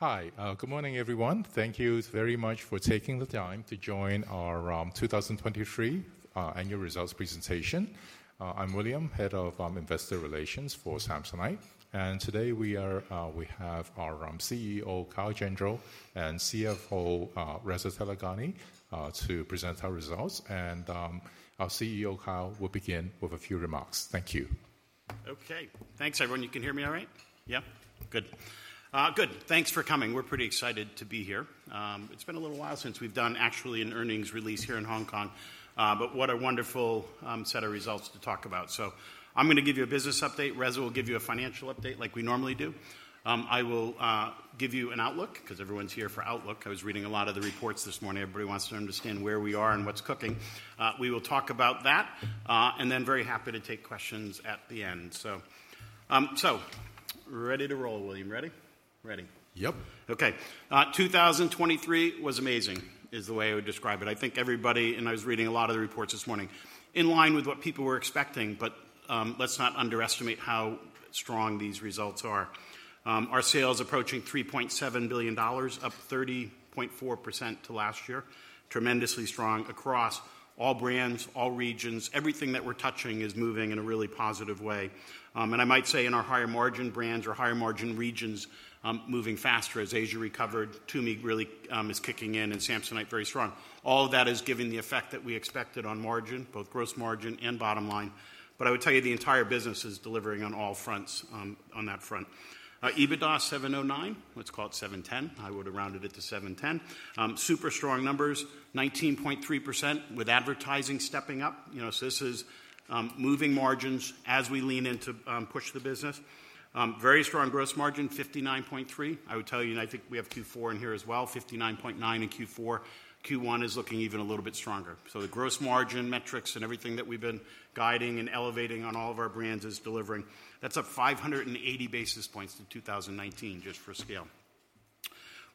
Hi, good morning everyone. Thank you very much for taking the time to join our 2023 annual results presentation. I'm William, head of investor relations for Samsonite, and today we have our CEO Kyle Gendreau and CFO Reza Taleghani to present our results. Our CEO Kyle will begin with a few remarks. Thank you. Okay. Thanks, everyone. You can hear me all right? Yeah? Good. Good. Thanks for coming. We're pretty excited to be here. It's been a little while since we've done, actually, an earnings release here in Hong Kong, but what a wonderful set of results to talk about. So I'm gonna give you a business update. Reza will give you a financial update like we normally do. I will give you an outlook 'cause everyone's here for outlook. I was reading a lot of the reports this morning. Everybody wants to understand where we are and what's cooking. We will talk about that, and then very happy to take questions at the end. So, so we're ready to roll, William. Ready? Ready? Yep. Okay. 2023 was amazing is the way I would describe it. I think everybody—and I was reading a lot of the reports this morning—in line with what people were expecting, but, let's not underestimate how strong these results are. Our sales approaching $3.7 billion, up 30.4% year-over-year. Tremendously strong across all brands, all regions. Everything that we're touching is moving in a really positive way. I might say in our higher margin brands or higher margin regions, moving faster as Asia recovered. TUMI, really, is kicking in, and Samsonite very strong. All of that is giving the effect that we expected on margin, both gross margin and bottom line. But I would tell you the entire business is delivering on all fronts, on that front. EBITDA $709 million. Let's call it $710 million. I would have rounded it to $710 million. Super strong numbers, 19.3% with advertising stepping up. You know, so this is moving margins as we lean into, push the business. Very strong gross margin, 59.3%. I would tell you, and I think we have Q4 in here as well, 59.9% in Q4. Q1 is looking even a little bit stronger. So the gross margin metrics and everything that we've been guiding and elevating on all of our brands is delivering. That's up 580 basis points to 2019, just for scale.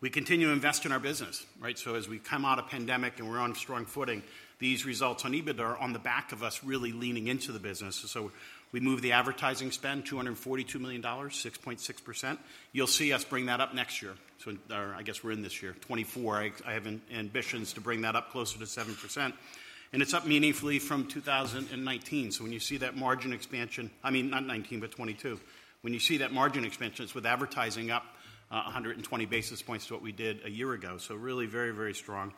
We continue to invest in our business, right? So as we come out of pandemic and we're on strong footing, these results on EBITDA are on the back of us really leaning into the business. So we move the advertising spend, $242 million, 6.6%. You'll see us bring that up next year. So, or I guess we're in this year, 2024. I, I have ambitions to bring that up closer to 7%. It's up meaningfully from 2019. So when you see that margin expansion, I mean, not 2019, but 2022, when you see that margin expansion, it's with advertising up 120 basis points to what we did a year ago. So really very, very strong.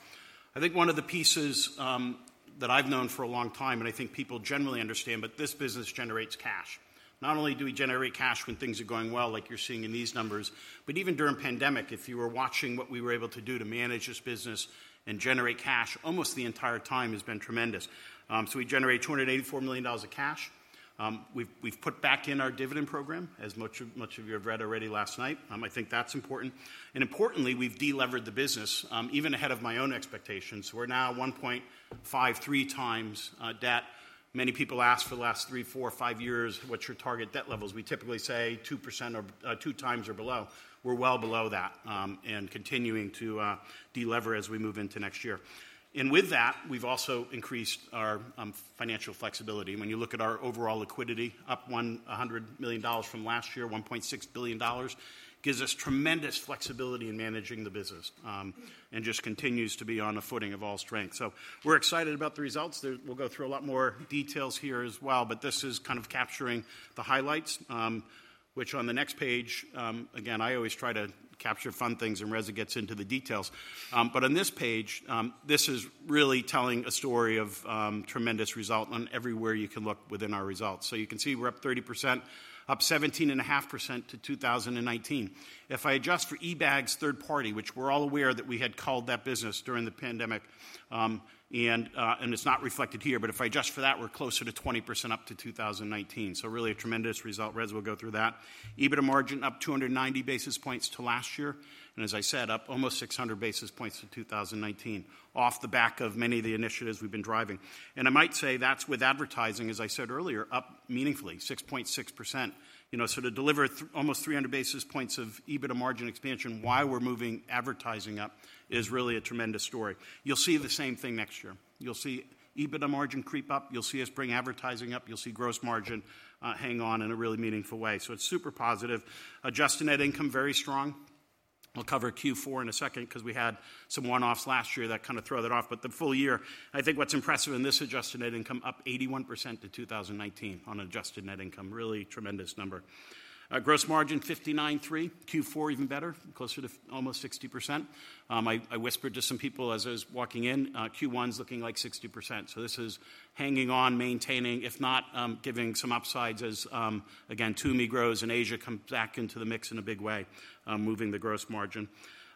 I think one of the pieces, that I've known for a long time, and I think people generally understand, but this business generates cash. Not only do we generate cash when things are going well, like you're seeing in these numbers, but even during pandemic, if you were watching what we were able to do to manage this business and generate cash almost the entire time has been tremendous. So we generate $284 million of cash. We've put back in our dividend program, as much, much of you have read already last night. I think that's important. Importantly, we've delevered the business, even ahead of my own expectations. We're now 1.53x debt. Many people ask for the last three, four, five years, what's your target debt levels. We typically say 2x or two times or below. We're well below that, and continuing to delever as we move into next year. With that, we've also increased our financial flexibility. When you look at our overall liquidity, up $100 million from last year, $1.6 billion, gives us tremendous flexibility in managing the business, and just continues to be on the footing of all strength. So we're excited about the results. There, we'll go through a lot more details here as well, but this is kind of capturing the highlights, which on the next page, again, I always try to capture fun things and Reza gets into the details. On this page, this is really telling a story of tremendous result on everywhere you can look within our results. So you can see we're up 30%, up 17.5% to 2019. If I adjust for eBags third party, which we're all aware that we had called that business during the pandemic, and it's not reflected here, but if I adjust for that, we're closer to 20% up to 2019. So really a tremendous result. Reza will go through that. EBITDA margin up 290 basis points to last year. And as I said, up almost 600 basis points to 2019, off the back of many of the initiatives we've been driving. And I might say that's with advertising, as I said earlier, up meaningfully, 6.6%. You know, so to deliver almost 300 basis points of EBITDA margin expansion, why we're moving advertising up is really a tremendous story. You'll see the same thing next year. You'll see EBITDA margin creep up. You'll see us bring advertising up. You'll see gross margin hang on in a really meaningful way. So it's super positive. Adjusted net income very strong. I'll cover Q4 in a second 'cause we had some one-offs last year that kind of threw that off. But the full year, I think what's impressive in this adjusted net income, up 81% to 2019 on adjusted net income. Really tremendous number. Gross margin 59.3%. Q4 even better, closer to almost 60%. I whispered to some people as I was walking in, Q1's looking like 60%. So this is hanging on, maintaining, if not, giving some upsides as, again, TUMI grows and Asia comes back into the mix in a big way, moving the gross margin.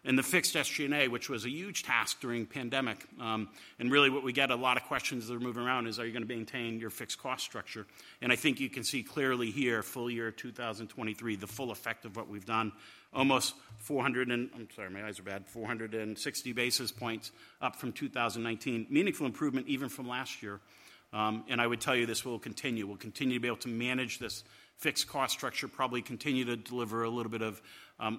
And the fixed SG&A, which was a huge task during pandemic, and really what we get a lot of questions that are moving around is, are you gonna maintain your fixed cost structure? And I think you can see clearly here, full year 2023, the full effect of what we've done, almost 400 and—I'm sorry, my eyes are bad—460 basis points up from 2019. Meaningful improvement even from last year. And I would tell you this will continue. We'll continue to be able to manage this fixed cost structure, probably continue to deliver a little bit of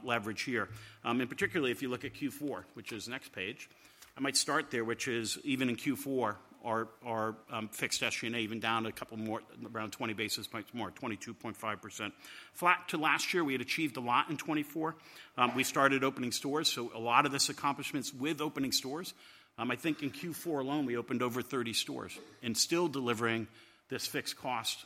leverage here. And particularly if you look at Q4, which is next page, I might start there, which is even in Q4, our fixed SG&A, even down a couple more, around 20 basis points more, 22.5%. Flat to last year. We had achieved a lot in 2024. We started opening stores. So a lot of these accomplishments with opening stores. I think in Q4 alone, we opened over 30 stores and still delivering this fixed cost,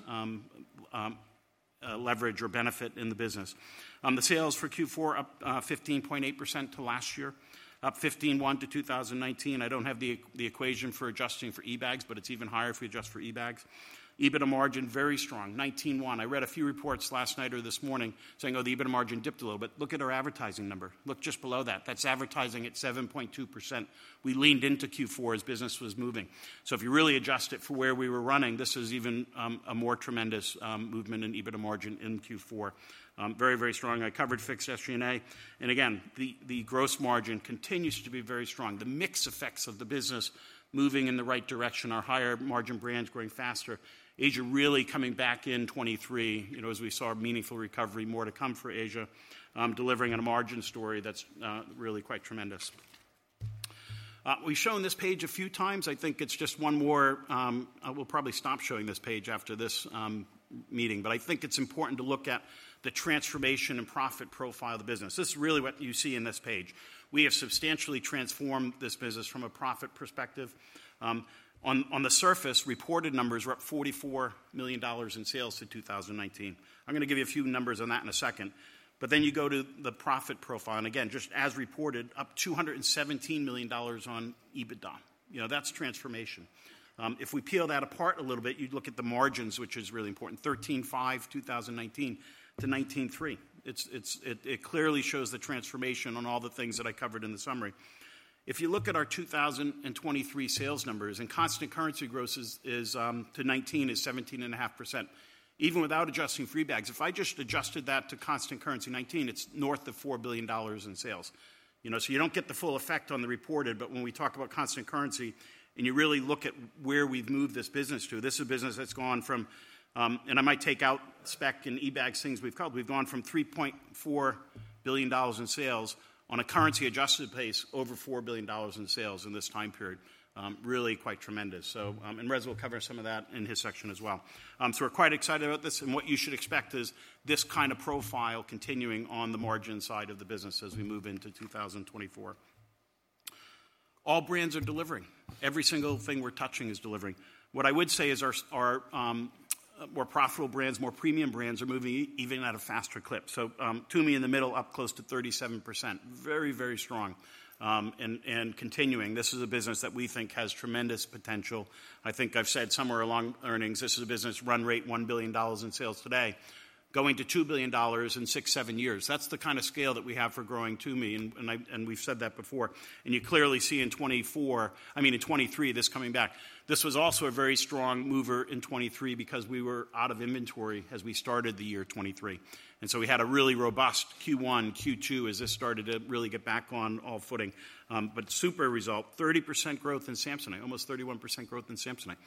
leverage or benefit in the business. The sales for Q4 up 15.8% to last year, up 15.1% to 2019. I don't have the equation for adjusting for eBags, but it's even higher if we adjust for eBags. EBITDA margin very strong, 19.1%. I read a few reports last night or this morning saying, oh, the EBITDA margin dipped a little, but look at our advertising number. Look just below that. That's advertising at 7.2%. We leaned into Q4 as business was moving. So if you really adjust it for where we were running, this is even a more tremendous movement in EBITDA margin in Q4. Very, very strong. I covered fixed SG&A. Again, the gross margin continues to be very strong. The mix effects of the business moving in the right direction, our higher margin brands growing faster, Asia really coming back in 2023, you know, as we saw meaningful recovery, more to come for Asia, delivering on a margin story that's really quite tremendous. We've shown this page a few times. I think it's just one more, I will probably stop showing this page after this meeting, but I think it's important to look at the transformation and profit profile of the business. This is really what you see in this page. We have substantially transformed this business from a profit perspective. On the surface, reported numbers were up $44 million in sales to 2019. I'm gonna give you a few numbers on that in a second. But then you go to the profit profile. Again, just as reported, up $217 million on EBITDA. You know, that's transformation. If we peel that apart a little bit, you'd look at the margins, which is really important, 13.5% 2019 to 19.3%. It clearly shows the transformation on all the things that I covered in the summary. If you look at our 2023 sales numbers, and constant currency gross to 2019 is 17.5%. Even without adjusting eBags, if I just adjusted that to constant currency 2019, it's north of $4 billion in sales. You know, so you don't get the full effect on the reported, but when we talk about constant currency and you really look at where we've moved this business to, this is a business that's gone from, and I might take out Speck and eBags things we've called, we've gone from $3.4 billion in sales on a currency adjusted base over $4 billion in sales in this time period. Really quite tremendous. Reza will cover some of that in his section as well. So we're quite excited about this. What you should expect is this kind of profile continuing on the margin side of the business as we move into 2024. All brands are delivering. Every single thing we're touching is delivering. What I would say is our, our, more profitable brands, more premium brands are moving even at a faster clip. So, TUMI in the middle, up close to 37%. Very, very strong, and, and continuing. This is a business that we think has tremendous potential. I think I've said somewhere along earnings, this is a business run rate $1 billion in sales today, going to $2 billion in six, seven years. That's the kind of scale that we have for growing TUMI. And, and I, and we've said that before. You clearly see in 2024, I mean, in 2023, this coming back. This was also a very strong mover in 2023 because we were out of inventory as we started the year 2023. And so we had a really robust Q1, Q2 as this started to really get back on all footing. But super result, 30% growth in Samsonite, almost 31% growth in Samsonite.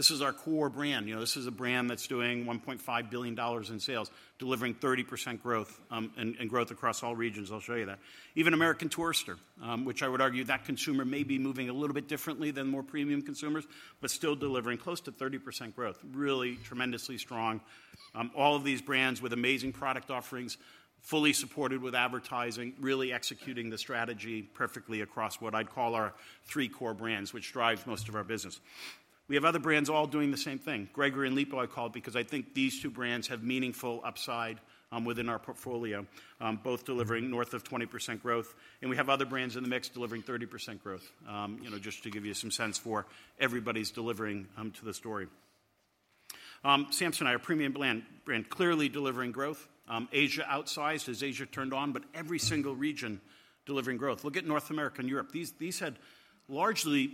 This is our core brand. You know, this is a brand that's doing $1.5 billion in sales, delivering 30% growth, and, and growth across all regions. I'll show you that. Even American Tourister, which I would argue that consumer may be moving a little bit differently than more premium consumers, but still delivering close to 30% growth. Really tremendously strong. All of these brands with amazing product offerings, fully supported with advertising, really executing the strategy perfectly across what I'd call our three core brands, which drives most of our business. We have other brands all doing the same thing. Gregory and Lipault I called because I think these two brands have meaningful upside within our portfolio, both delivering north of 20% growth. And we have other brands in the mix delivering 30% growth, you know, just to give you some sense for everybody's delivering to the story. Samsonite, a premium brand, clearly delivering growth. Asia outsized. Has Asia turned on? But every single region delivering growth. Look at North America and Europe. These had largely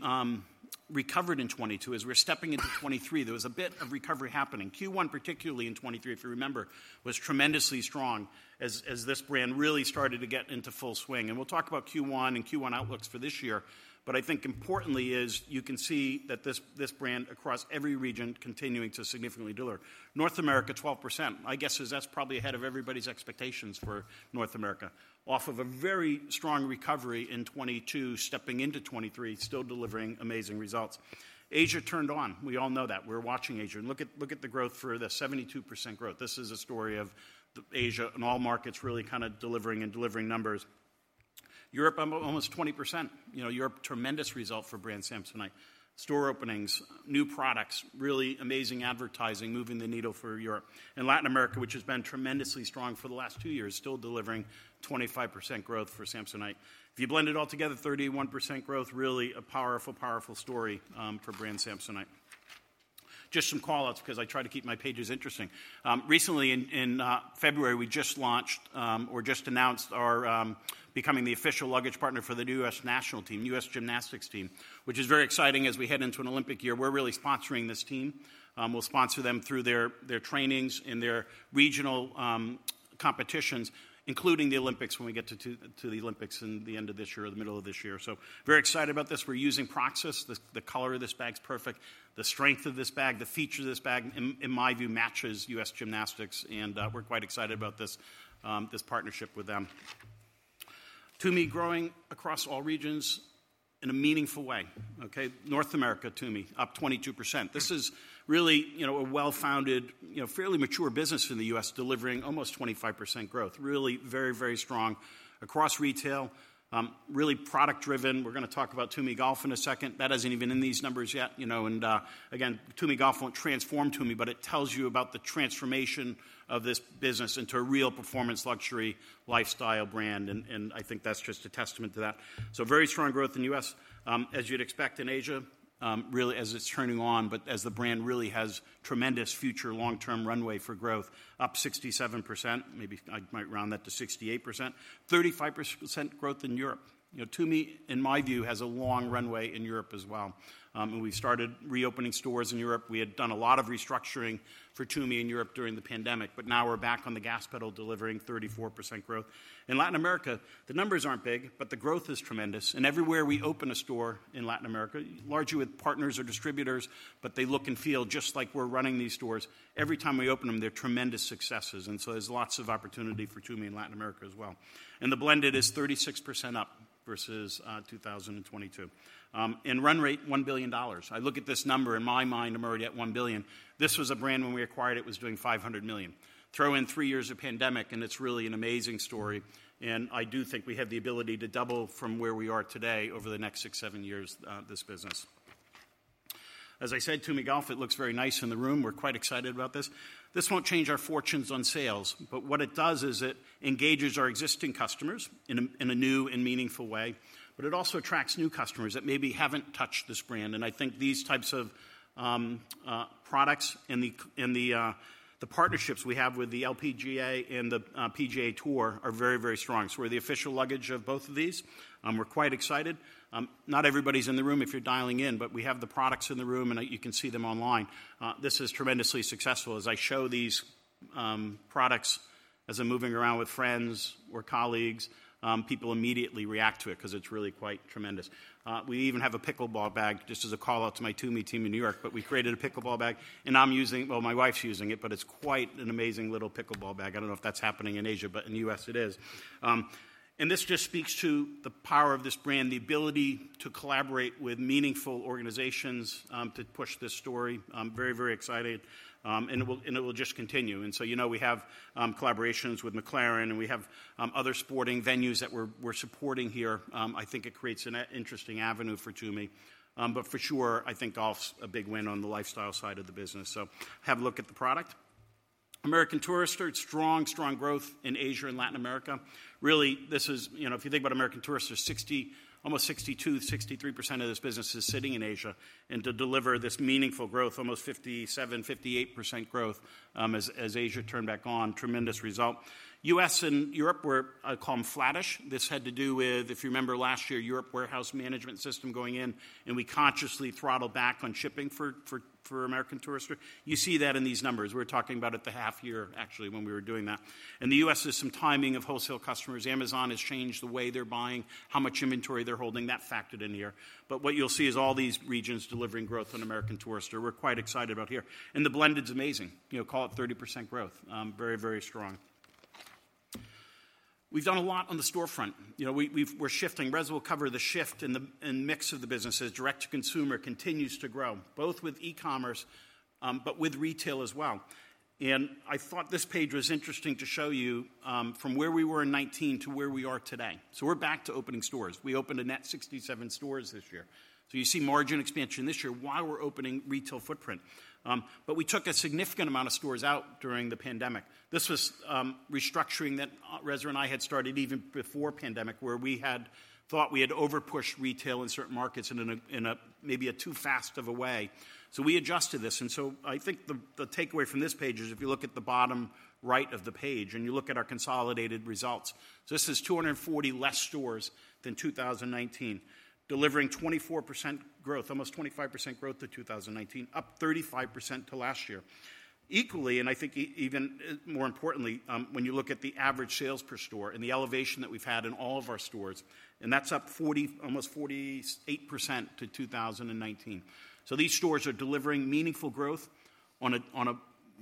recovered in 2022 as we're stepping into 2023. There was a bit of recovery happening. Q1, particularly in 2023, if you remember, was tremendously strong as, as this brand really started to get into full swing. And we'll talk about Q1 and Q1 outlooks for this year, but I think importantly is you can see that this, this brand across every region continuing to significantly deliver. North America, 12%. My guess is that's probably ahead of everybody's expectations for North America, off of a very strong recovery in 2022, stepping into 2023, still delivering amazing results. Asia turned on. We all know that. We're watching Asia. And look at, look at the growth for the 72% growth. This is a story of the Asia and all markets really kind of delivering and delivering numbers. Europe, almost 20%. You know, Europe, tremendous result for brand Samsonite. Store openings, new products, really amazing advertising, moving the needle for Europe. Latin America, which has been tremendously strong for the last two years, still delivering 25% growth for Samsonite. If you blend it all together, 31% growth, really a powerful, powerful story, for brand Samsonite. Just some callouts 'cause I try to keep my pages interesting. Recently in February, we just launched, or just announced our becoming the official luggage partner for the new U.S. national team, U.S. gymnastics team, which is very exciting as we head into an Olympic year. We're really sponsoring this team. We'll sponsor them through their trainings and their regional competitions, including the Olympics when we get to the Olympics in the end of this year or the middle of this year. So very excited about this. We're using Proxis. The color of this bag's perfect. The strength of this bag, the feature of this bag, in, in my view, matches U.S. Gymnastics. And, we're quite excited about this, this partnership with them. TUMI growing across all regions in a meaningful way, okay? North America, TUMI, up 22%. This is really, you know, a well-founded, you know, fairly mature business in the U.S. delivering almost 25% growth. Really very, very strong across retail, really product driven. We're gonna talk about TUMI Golf in a second. That isn't even in these numbers yet, you know? And, again, TUMI Golf won't transform TUMI, but it tells you about the transformation of this business into a real performance luxury lifestyle brand. And, and I think that's just a testament to that. So very strong growth in the U.S., as you'd expect in Asia, really as it's turning on, but as the brand really has tremendous future long-term runway for growth, up 67%. Maybe I might round that to 68%. 35% growth in Europe. You know, TUMI, in my view, has a long runway in Europe as well. We started reopening stores in Europe. We had done a lot of restructuring for TUMI in Europe during the pandemic, but now we're back on the gas pedal delivering 34% growth. In Latin America, the numbers aren't big, but the growth is tremendous. Everywhere we open a store in Latin America, largely with partners or distributors, but they look and feel just like we're running these stores. Every time we open 'em, they're tremendous successes. And so there's lots of opportunity for TUMI in Latin America as well. The blended is 36% up versus 2022 and run rate $1 billion. I look at this number in my mind, I'm already at $1 billion. This was a brand when we acquired it was doing $500 million. Throw in 3 years of pandemic and it's really an amazing story. And I do think we have the ability to double from where we are today over the next 6-7 years, this business. As I said, TUMI Golf, it looks very nice in the room. We're quite excited about this. This won't change our fortunes on sales, but what it does is it engages our existing customers in a new and meaningful way, but it also attracts new customers that maybe haven't touched this brand. I think these types of products and the partnerships we have with the LPGA and the PGA Tour are very, very strong. So we're the official luggage of both of these. We're quite excited. Not everybody's in the room if you're dialing in, but we have the products in the room and you can see them online. This is tremendously successful. As I show these products, as I'm moving around with friends or colleagues, people immediately react to it 'cause it's really quite tremendous. We even have a pickleball bag just as a callout to my TUMI team in New York, but we created a pickleball bag and I'm using, well, my wife's using it, but it's quite an amazing little pickleball bag. I don't know if that's happening in Asia, but in the US it is. This just speaks to the power of this brand, the ability to collaborate with meaningful organizations, to push this story. I'm very, very excited. And it will, and it will just continue. And so, you know, we have collaborations with McLaren and we have other sporting venues that we're, we're supporting here. I think it creates an interesting avenue for TUMI. But for sure, I think golf's a big win on the lifestyle side of the business. So have a look at the product. American Tourister, it's strong, strong growth in Asia and Latin America. Really, this is, you know, if you think about American Tourister, 60, almost 62, 63% of this business is sitting in Asia and to deliver this meaningful growth, almost 57, 58% growth, as, as Asia turned back on, tremendous result. U.S. and Europe, we're, I call 'em flattish. This had to do with, if you remember last year, Europe warehouse management system going in and we consciously throttled back on shipping for American Tourister. You see that in these numbers. We were talking about it the half year actually when we were doing that. In the US, there's some timing of wholesale customers. Amazon has changed the way they're buying, how much inventory they're holding. That factored in here. But what you'll see is all these regions delivering growth on American Tourister. We're quite excited about here. And the blended's amazing. You know, call it 30% growth. Very, very strong. We've done a lot on the storefront. You know, we're shifting. Reza will cover the shift in the mix of the businesses. Direct to consumer continues to grow, both with e-commerce, but with retail as well. And I thought this page was interesting to show you, from where we were in 2019 to where we are today. So we're back to opening stores. We opened a net 67 stores this year. So you see margin expansion this year. Why we're opening retail footprint. But we took a significant amount of stores out during the pandemic. This was restructuring that Reza and I had started even before pandemic where we had thought we had overpushed retail in certain markets in a, in a maybe a too fast of a way. So we adjusted this. And so I think the, the takeaway from this page is if you look at the bottom right of the page and you look at our consolidated results. So this is 240 less stores than 2019, delivering 24% growth, almost 25% growth to 2019, up 35% to last year. Equally, and I think even more importantly, when you look at the average sales per store and the elevation that we've had in all of our stores, and that's up 40, almost 48% to 2019. So these stores are delivering meaningful growth on a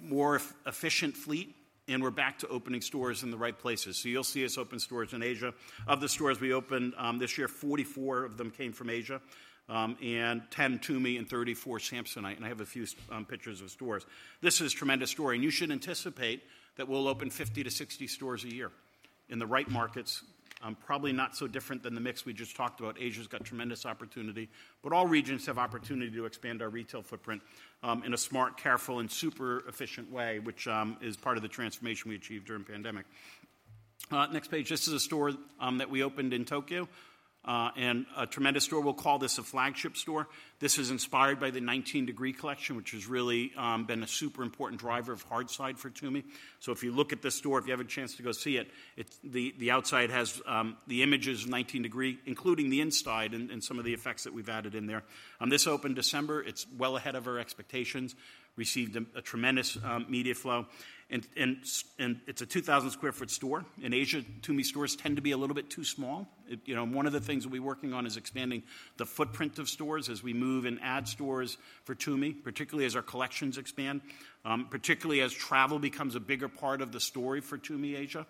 more efficient fleet and we're back to opening stores in the right places. So you'll see us open stores in Asia. Of the stores we opened this year, 44 of them came from Asia, and 10 TUMI and 34 Samsonite. And I have a few pictures of stores. This is a tremendous story. And you should anticipate that we'll open 50-60 stores a year in the right markets, probably not so different than the mix we just talked about. Asia's got tremendous opportunity, but all regions have opportunity to expand our retail footprint, in a smart, careful, and super efficient way, which is part of the transformation we achieved during pandemic. Next page, this is a store that we opened in Tokyo, and a tremendous store. We'll call this a flagship store. This is inspired by the 19 Degree collection, which has really been a super important driver of hard-side for TUMI. So if you look at this store, if you have a chance to go see it, it's the outside has the images of 19 Degree, including the inside and some of the effects that we've added in there. This opened December. It's well ahead of our expectations. Received a tremendous media flow. And it's a 2,000 sq ft store in Asia. TUMI stores tend to be a little bit too small. It, you know, one of the things that we're working on is expanding the footprint of stores as we move and add stores for TUMI, particularly as our collections expand, particularly as travel becomes a bigger part of the story for TUMI Asia,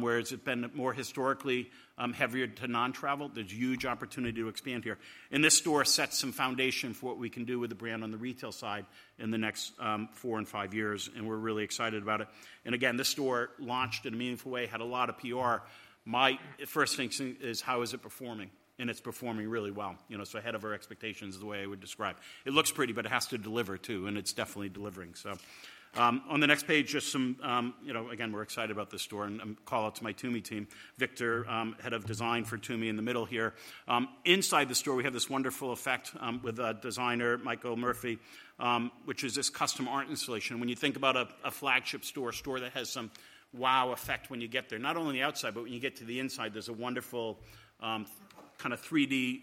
whereas it's been more historically heavier to non-travel. There's huge opportunity to expand here. And this store sets some foundation for what we can do with the brand on the retail side in the next four and five years. And we're really excited about it. And again, this store launched in a meaningful way, had a lot of PR. My first thing is how is it performing? And it's performing really well, you know? So ahead of our expectations is the way I would describe. It looks pretty, but it has to deliver too. And it's definitely delivering. So, on the next page, just some, you know, again, we're excited about this store. And I'm call out to my TUMI team, Victor, head of design for TUMI in the middle here. Inside the store, we have this wonderful effect with a designer, Michael Murphy, which is this custom art installation. When you think about a flagship store, a store that has some wow effect when you get there, not only on the outside, but when you get to the inside, there's a wonderful, kind of 3D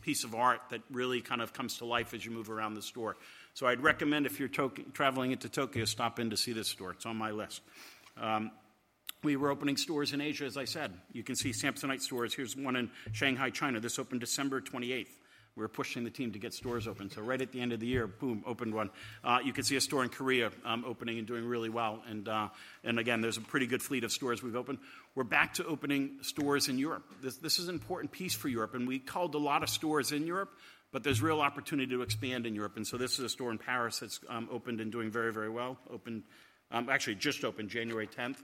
piece of art that really kind of comes to life as you move around the store. So I'd recommend if you're traveling into Tokyo, stop in to see this store. It's on my list. We were opening stores in Asia, as I said. You can see Samsonite stores. Here's one in Shanghai, China. This opened December 28th. We're pushing the team to get stores open. So right at the end of the year, boom, opened one. You can see a store in Korea, opening and doing really well. And, and again, there's a pretty good fleet of stores we've opened. We're back to opening stores in Europe. This, this is an important piece for Europe. And we closed a lot of stores in Europe, but there's real opportunity to expand in Europe. And so this is a store in Paris that's opened and doing very, very well, opened, actually just opened January 10th.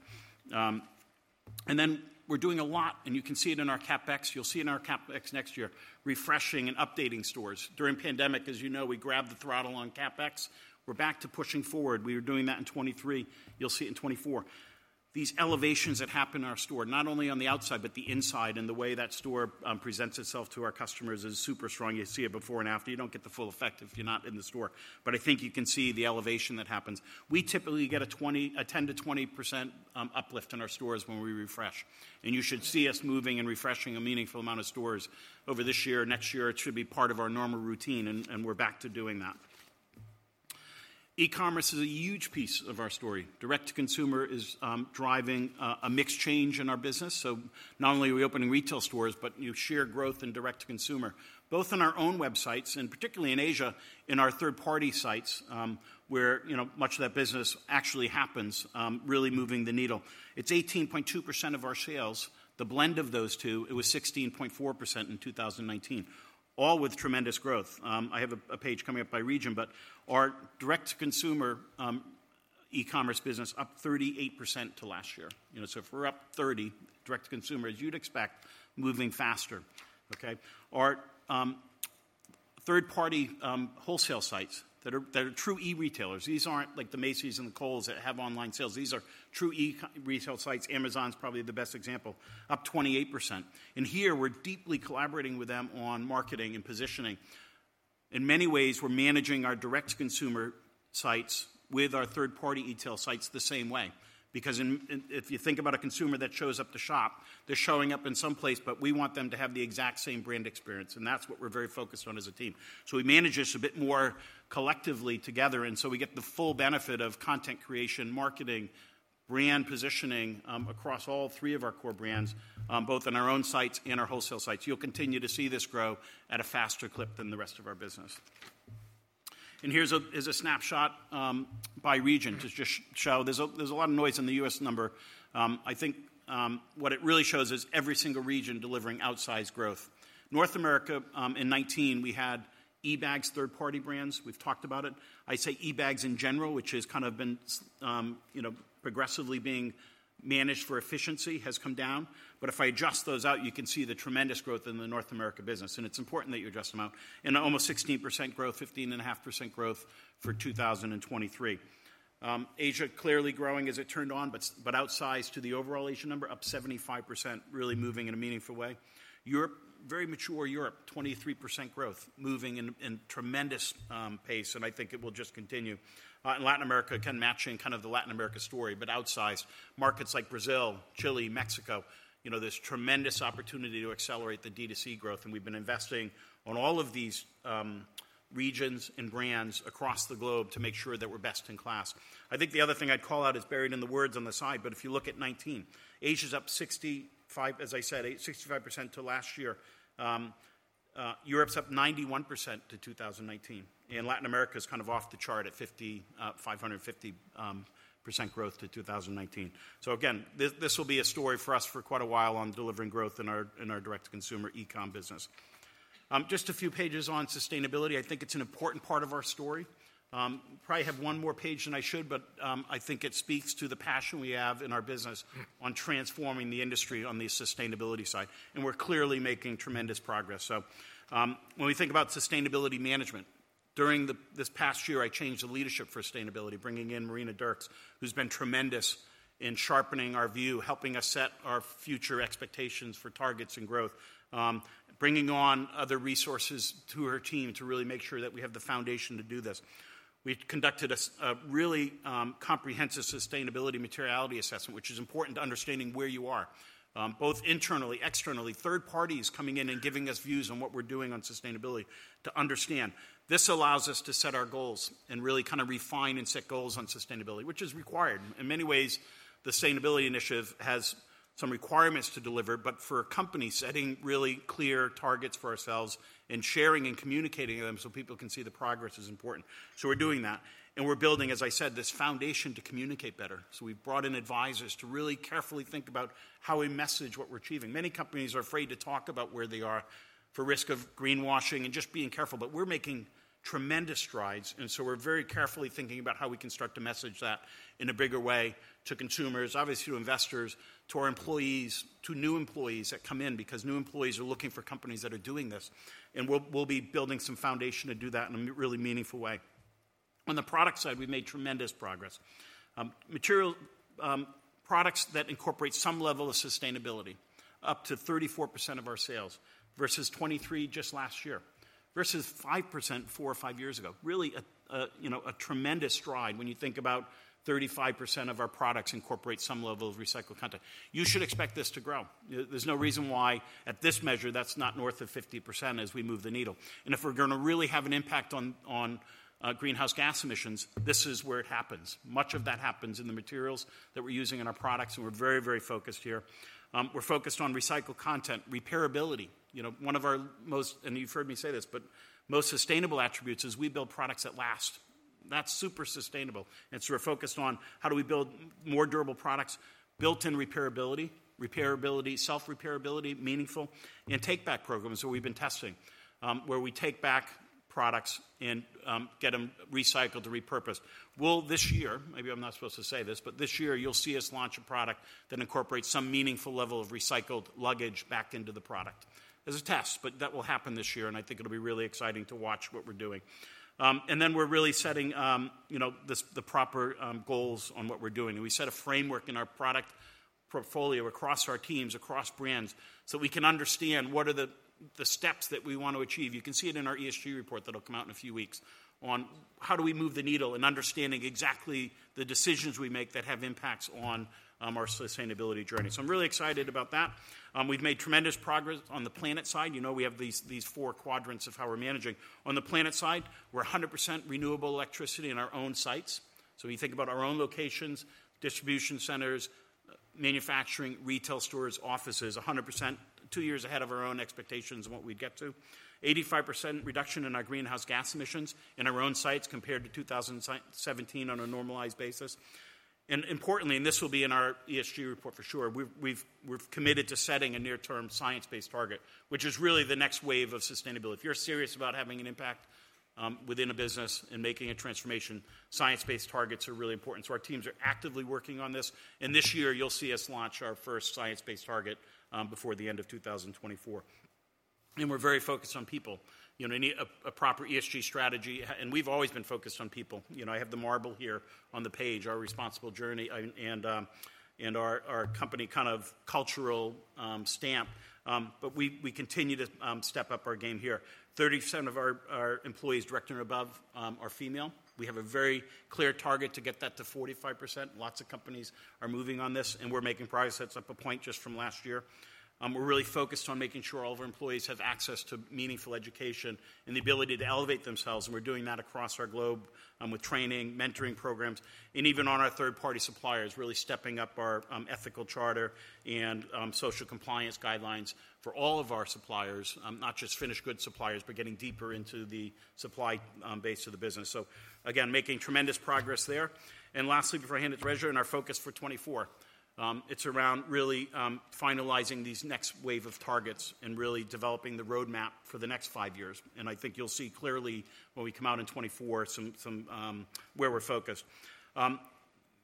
And then we're doing a lot. And you can see it in our CapEx. You'll see it in our CapEx next year, refreshing and updating stores. During pandemic, as you know, we grabbed the throttle on CapEx. We're back to pushing forward. We were doing that in 2023. You'll see it in 2024. These elevations that happen in our store, not only on the outside, but the inside and the way that store presents itself to our customers is super strong. You see it before and after. You don't get the full effect if you're not in the store. But I think you can see the elevation that happens. We typically get a 10%-20% uplift in our stores when we refresh. And you should see us moving and refreshing a meaningful amount of stores over this year. Next year, it should be part of our normal routine. And, and we're back to doing that. E-commerce is a huge piece of our story. Direct to consumer is driving a mixed change in our business. So not only are we opening retail stores, but you share growth in direct to consumer, both on our own websites and particularly in Asia, in our third-party sites, where, you know, much of that business actually happens, really moving the needle. It's 18.2% of our sales. The blend of those two, it was 16.4% in 2019, all with tremendous growth. I have a page coming up by region, but our direct to consumer, e-commerce business up 38% to last year. You know, so if we're up 30, direct to consumer, as you'd expect, moving faster, okay? Our third-party wholesale sites that are true e-retailers, these aren't like the Macy's and the Kohl's that have online sales. These are true e-retail sites. Amazon's probably the best example, up 28%. And here we're deeply collaborating with them on marketing and positioning. In many ways, we're managing our direct to consumer sites with our third-party retail sites the same way. Because if you think about a consumer that shows up to shop, they're showing up in some place, but we want them to have the exact same brand experience. And that's what we're very focused on as a team. So we manage this a bit more collectively together. And so we get the full benefit of content creation, marketing, brand positioning, across all three of our core brands, both on our own sites and our wholesale sites. You'll continue to see this grow at a faster clip than the rest of our business. And here's a snapshot by region to just show there's a lot of noise in the U.S. number. I think what it really shows is every single region delivering outsized growth. North America, in 2019, we had eBags, third-party brands. We've talked about it. I say eBags in general, which has kind of been, you know, progressively being managed for efficiency, has come down. But if I adjust those out, you can see the tremendous growth in the North America business. And it's important that you adjust 'em out. And almost 16% growth, 15.5% growth for 2023. Asia clearly growing as it turned on, but, but outsized to the overall Asia number, up 75% really moving in a meaningful way. Europe, very mature Europe, 23% growth moving in, in tremendous, pace. And I think it will just continue. And Latin America can match in kind of the Latin America story, but outsized markets like Brazil, Chile, Mexico, you know, this tremendous opportunity to accelerate the D2C growth. We've been investing on all of these regions and brands across the globe to make sure that we're best in class. I think the other thing I'd call out is buried in the words on the side, but if you look at '19, Asia's up 65, as I said, 65% to last year. Europe's up 91% to 2019. Latin America's kind of off the chart at 50,550% growth to 2019. So again, this, this will be a story for us for quite a while on delivering growth in our, in our direct to consumer e-com business. Just a few pages on sustainability. I think it's an important part of our story. Probably have one more page than I should, but I think it speaks to the passion we have in our business on transforming the industry on the sustainability side. We're clearly making tremendous progress. So, when we think about sustainability management, during this past year, I changed the leadership for sustainability, bringing in Marina Dirks, who's been tremendous in sharpening our view, helping us set our future expectations for targets and growth, bringing on other resources to her team to really make sure that we have the foundation to do this. We conducted a really comprehensive sustainability materiality assessment, which is important to understanding where you are, both internally, externally, third parties coming in and giving us views on what we're doing on sustainability to understand. This allows us to set our goals and really kind of refine and set goals on sustainability, which is required. In many ways, the Sustainability Initiative has some requirements to deliver, but for a company, setting really clear targets for ourselves and sharing and communicating them so people can see the progress is important. So we're doing that. And we're building, as I said, this foundation to communicate better. So we've brought in advisors to really carefully think about how we message what we're achieving. Many companies are afraid to talk about where they are for risk of greenwashing and just being careful. But we're making tremendous strides. And so we're very carefully thinking about how we can start to message that in a bigger way to consumers, obviously to investors, to our employees, to new employees that come in because new employees are looking for companies that are doing this. And we'll, we'll be building some foundation to do that in a really meaningful way. On the product side, we've made tremendous progress. Material, products that incorporate some level of sustainability, up to 34% of our sales versus 23% just last year versus 5% four or five years ago. Really, you know, a tremendous stride when you think about 35% of our products incorporate some level of recycled content. You should expect this to grow. There's no reason why at this measure that's not north of 50% as we move the needle. And if we're gonna really have an impact on greenhouse gas emissions, this is where it happens. Much of that happens in the materials that we're using in our products. And we're very, very focused here. We're focused on recycled content, repairability. You know, one of our most, and you've heard me say this, but most sustainable attributes is we build products that last. That's super sustainable. And so we're focused on how do we build more durable products, built-in repairability, repairability, self-reparability, meaningful, and take-back programs that we've been testing, where we take back products and get 'em recycled to repurpose. Well, this year, maybe I'm not supposed to say this, but this year you'll see us launch a product that incorporates some meaningful level of recycled luggage back into the product. There's a test, but that will happen this year. And I think it'll be really exciting to watch what we're doing. And then we're really setting, you know, this, the proper, goals on what we're doing. And we set a framework in our product portfolio across our teams, across brands, so that we can understand what are the, the steps that we wanna achieve. You can see it in our ESG report that'll come out in a few weeks on how do we move the needle and understanding exactly the decisions we make that have impacts on, our sustainability journey. So I'm really excited about that. We've made tremendous progress on the planet side. You know, we have these four quadrants of how we're managing. On the planet side, we're 100% renewable electricity in our own sites. So we think about our own locations, distribution centers, manufacturing, retail stores, offices, 100%, two years ahead of our own expectations and what we'd get to, 85% reduction in our greenhouse gas emissions in our own sites compared to 2017 on a normalized basis. Importantly, this will be in our ESG report for sure. We've committed to setting a near-term science-based target, which is really the next wave of sustainability. If you're serious about having an impact within a business and making a transformation, science-based targets are really important. So our teams are actively working on this. This year you'll see us launch our first science-based target before the end of 2024. We're very focused on people. You know, you need a proper ESG strategy. We've always been focused on people. You know, I have the marble here on the page, our responsible journey and our company kind of cultural stamp. But we continue to step up our game here. 30% of our employees, director and above, are female. We have a very clear target to get that to 45%. Lots of companies are moving on this. We're making progress. That's up a point just from last year. We're really focused on making sure all of our employees have access to meaningful education and the ability to elevate themselves. We're doing that across our globe, with training, mentoring programs, and even on our third-party suppliers, really stepping up our ethical charter and social compliance guidelines for all of our suppliers, not just finished goods suppliers, but getting deeper into the supply base of the business. So again, making tremendous progress there. And lastly, before I hand it to Reza, our focus for 2024 is around really finalizing these next wave of targets and really developing the roadmap for the next five years. And I think you'll see clearly when we come out in 2024 somewhere we're focused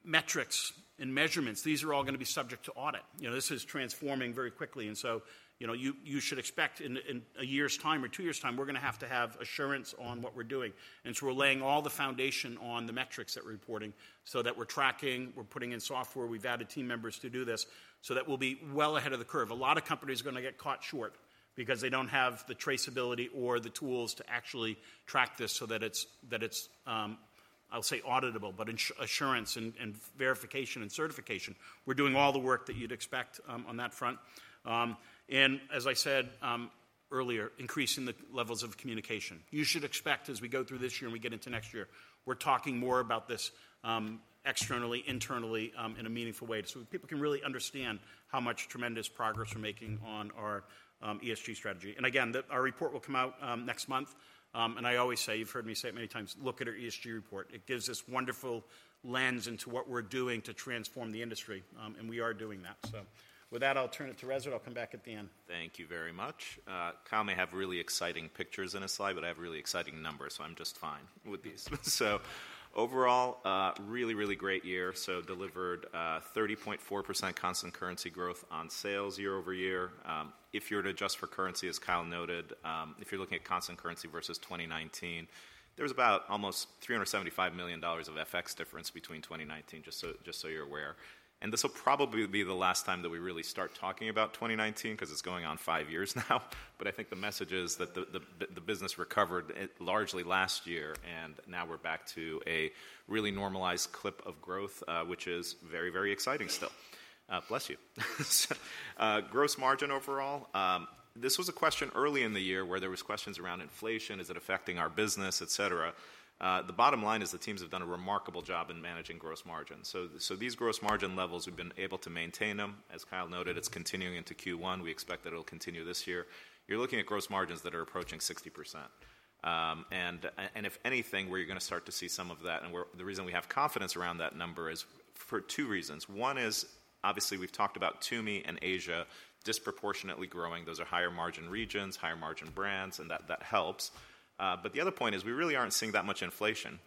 metrics and measurements; these are all gonna be subject to audit. You know, this is transforming very quickly. And so, you know, you should expect in a year's time or two years' time, we're gonna have to have assurance on what we're doing. And so we're laying all the foundation on the metrics that we're reporting so that we're tracking, we're putting in software, we've added team members to do this so that we'll be well ahead of the curve. A lot of companies are gonna get caught short because they don't have the traceability or the tools to actually track this so that it's, I'll say auditable, but insurance and verification and certification. We're doing all the work that you'd expect, on that front. And as I said, earlier, increasing the levels of communication. You should expect as we go through this year and we get into next year, we're talking more about this, externally, internally, in a meaningful way so that people can really understand how much tremendous progress we're making on our ESG strategy. And again, our report will come out next month. I always say, you've heard me say it many times, look at our ESG report. It gives this wonderful lens into what we're doing to transform the industry. And we are doing that. So with that, I'll turn it to Reza. I'll come back at the end. Thank you very much. Kyle may have really exciting pictures in a slide, but I have really exciting numbers. So I'm just fine with these. So overall, really, really great year. So delivered 30.4% constant currency growth on sales year-over-year. If you're adjusting for currency, as Kyle noted, if you're looking at constant currency versus 2019, there's about almost $375 million of FX difference between 2019, just so, just so you're aware. And this'll probably be the last time that we really start talking about 2019 'cause it's going on five years now. But I think the message is that the business recovered largely last year. And now we're back to a really normalized clip of growth, which is very, very exciting still. Bless you. So, gross margin overall, this was a question early in the year where there was questions around inflation, is it affecting our business, et cetera. The bottom line is the teams have done a remarkable job in managing gross margin. So, these gross margin levels, we've been able to maintain 'em. As Kyle noted, it's continuing into Q1. We expect that it'll continue this year. You're looking at gross margins that are approaching 60%. And if anything, we're gonna start to see some of that. And we're, the reason we have confidence around that number is for two reasons. One is obviously we've talked about TUMI and Asia disproportionately growing. Those are higher margin regions, higher margin brands. And that, that helps. But the other point is we really aren't seeing that much inflation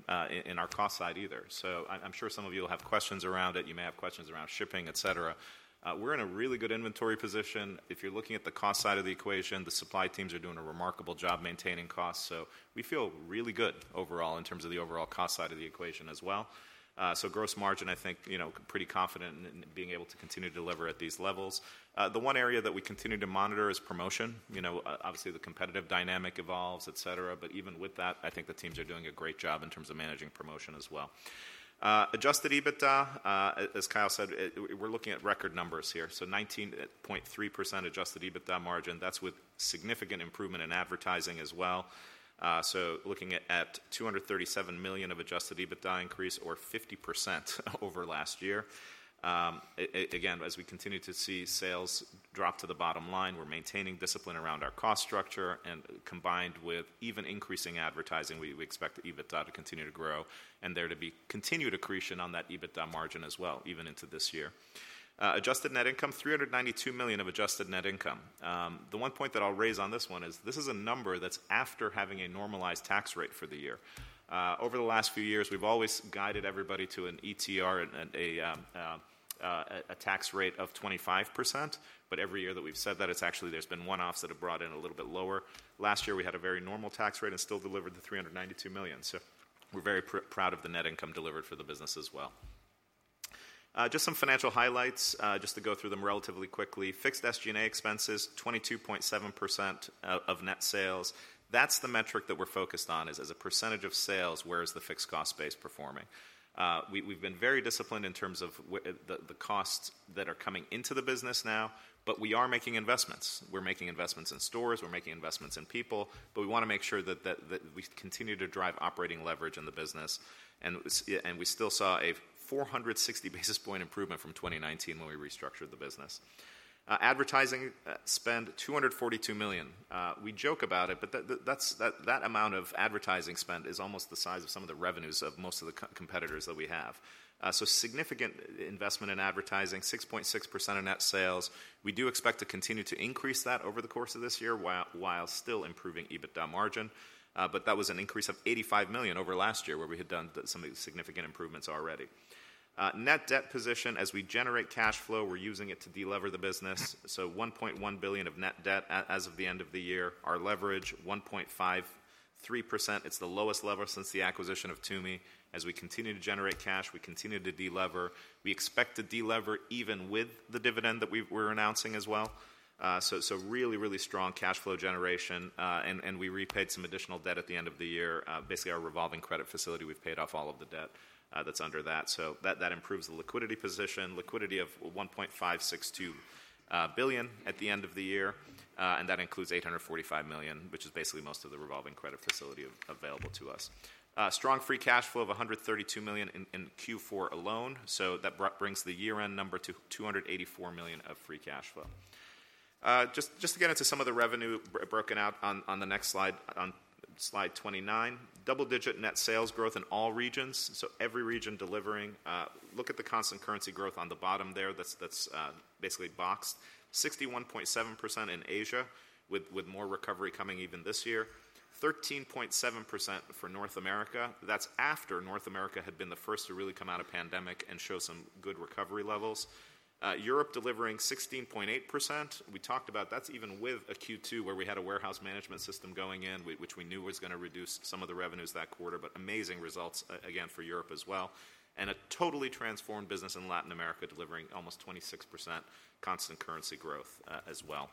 in our cost side either. So I'm sure some of you'll have questions around it. You may have questions around shipping, et cetera. We're in a really good inventory position. If you're looking at the cost side of the equation, the supply teams are doing a remarkable job maintaining costs. So we feel really good overall in terms of the overall cost side of the equation as well. So gross margin, I think, you know, pretty confident in being able to continue to deliver at these levels. The one area that we continue to monitor is promotion. You know, obviously the competitive dynamic evolves, et cetera. But even with that, I think the teams are doing a great job in terms of managing promotion as well. Adjusted EBITDA, as Kyle said, we're looking at record numbers here. So 19.3% Adjusted EBITDA margin. That's with significant improvement in advertising as well. So looking at $237 million of Adjusted EBITDA increase or 50% over last year. Again, as we continue to see sales drop to the bottom line, we're maintaining discipline around our cost structure. And combined with even increasing advertising, we expect the EBITDA to continue to grow and there to be continued accretion on that EBITDA margin as well, even into this year. Adjusted Net Income, $392 million of Adjusted Net Income. The one point that I'll raise on this one is this is a number that's after having a normalized tax rate for the year. Over the last few years, we've always guided everybody to an ETR and a tax rate of 25%. But every year that we've said that, it's actually, there's been one-offs that have brought in a little bit lower. Last year we had a very normal tax rate and still delivered the $392 million. So we're very proud of the net income delivered for the business as well. Just some financial highlights, just to go through them relatively quickly. Fixed SG&A expenses, 22.7% of net sales. That's the metric that we're focused on is as a percentage of sales, where is the fixed cost base performing? We've been very disciplined in terms of the costs that are coming into the business now. But we are making investments. We're making investments in stores. We're making investments in people. But we wanna make sure that we continue to drive operating leverage in the business. And we still saw a 460 basis point improvement from 2019 when we restructured the business. Advertising spend, $242 million. We joke about it. But that's the amount of advertising spend is almost the size of some of the revenues of most of the competitors that we have. So significant investment in advertising, 6.6% of net sales. We do expect to continue to increase that over the course of this year while still improving EBITDA margin. But that was an increase of $85 million over last year where we had done some significant improvements already. Net debt position, as we generate cash flow, we're using it to delever the business. So $1.1 billion of net debt as of the end of the year. Our leverage, 1.53%. It's the lowest level since the acquisition of TUMI. As we continue to generate cash, we continue to delever. We expect to delever even with the dividend that we're announcing as well. So really strong cash flow generation. And we repaid some additional debt at the end of the year. Basically our revolving credit facility, we've paid off all of the debt that's under that. So that improves the liquidity position. Liquidity of $1.562 billion at the end of the year. And that includes $845 million, which is basically most of the revolving credit facility available to us. Strong free cash flow of $132 million in Q4 alone. So that brings the year-end number to $284 million of free cash flow. Just again, it's some of the revenue broken out on the next slide, on slide 29. Double-digit net sales growth in all regions. So every region delivering. Look at the constant currency growth on the bottom there. That's basically boxed. 61.7% in Asia with more recovery coming even this year. 13.7% for North America. That's after North America had been the first to really come out of pandemic and show some good recovery levels. Europe delivering 16.8%. We talked about that's even with a Q2 where we had a warehouse management system going in, which we knew was gonna reduce some of the revenues that quarter. But amazing results, again, for Europe as well. And a totally transformed business in Latin America delivering almost 26% constant currency growth as well.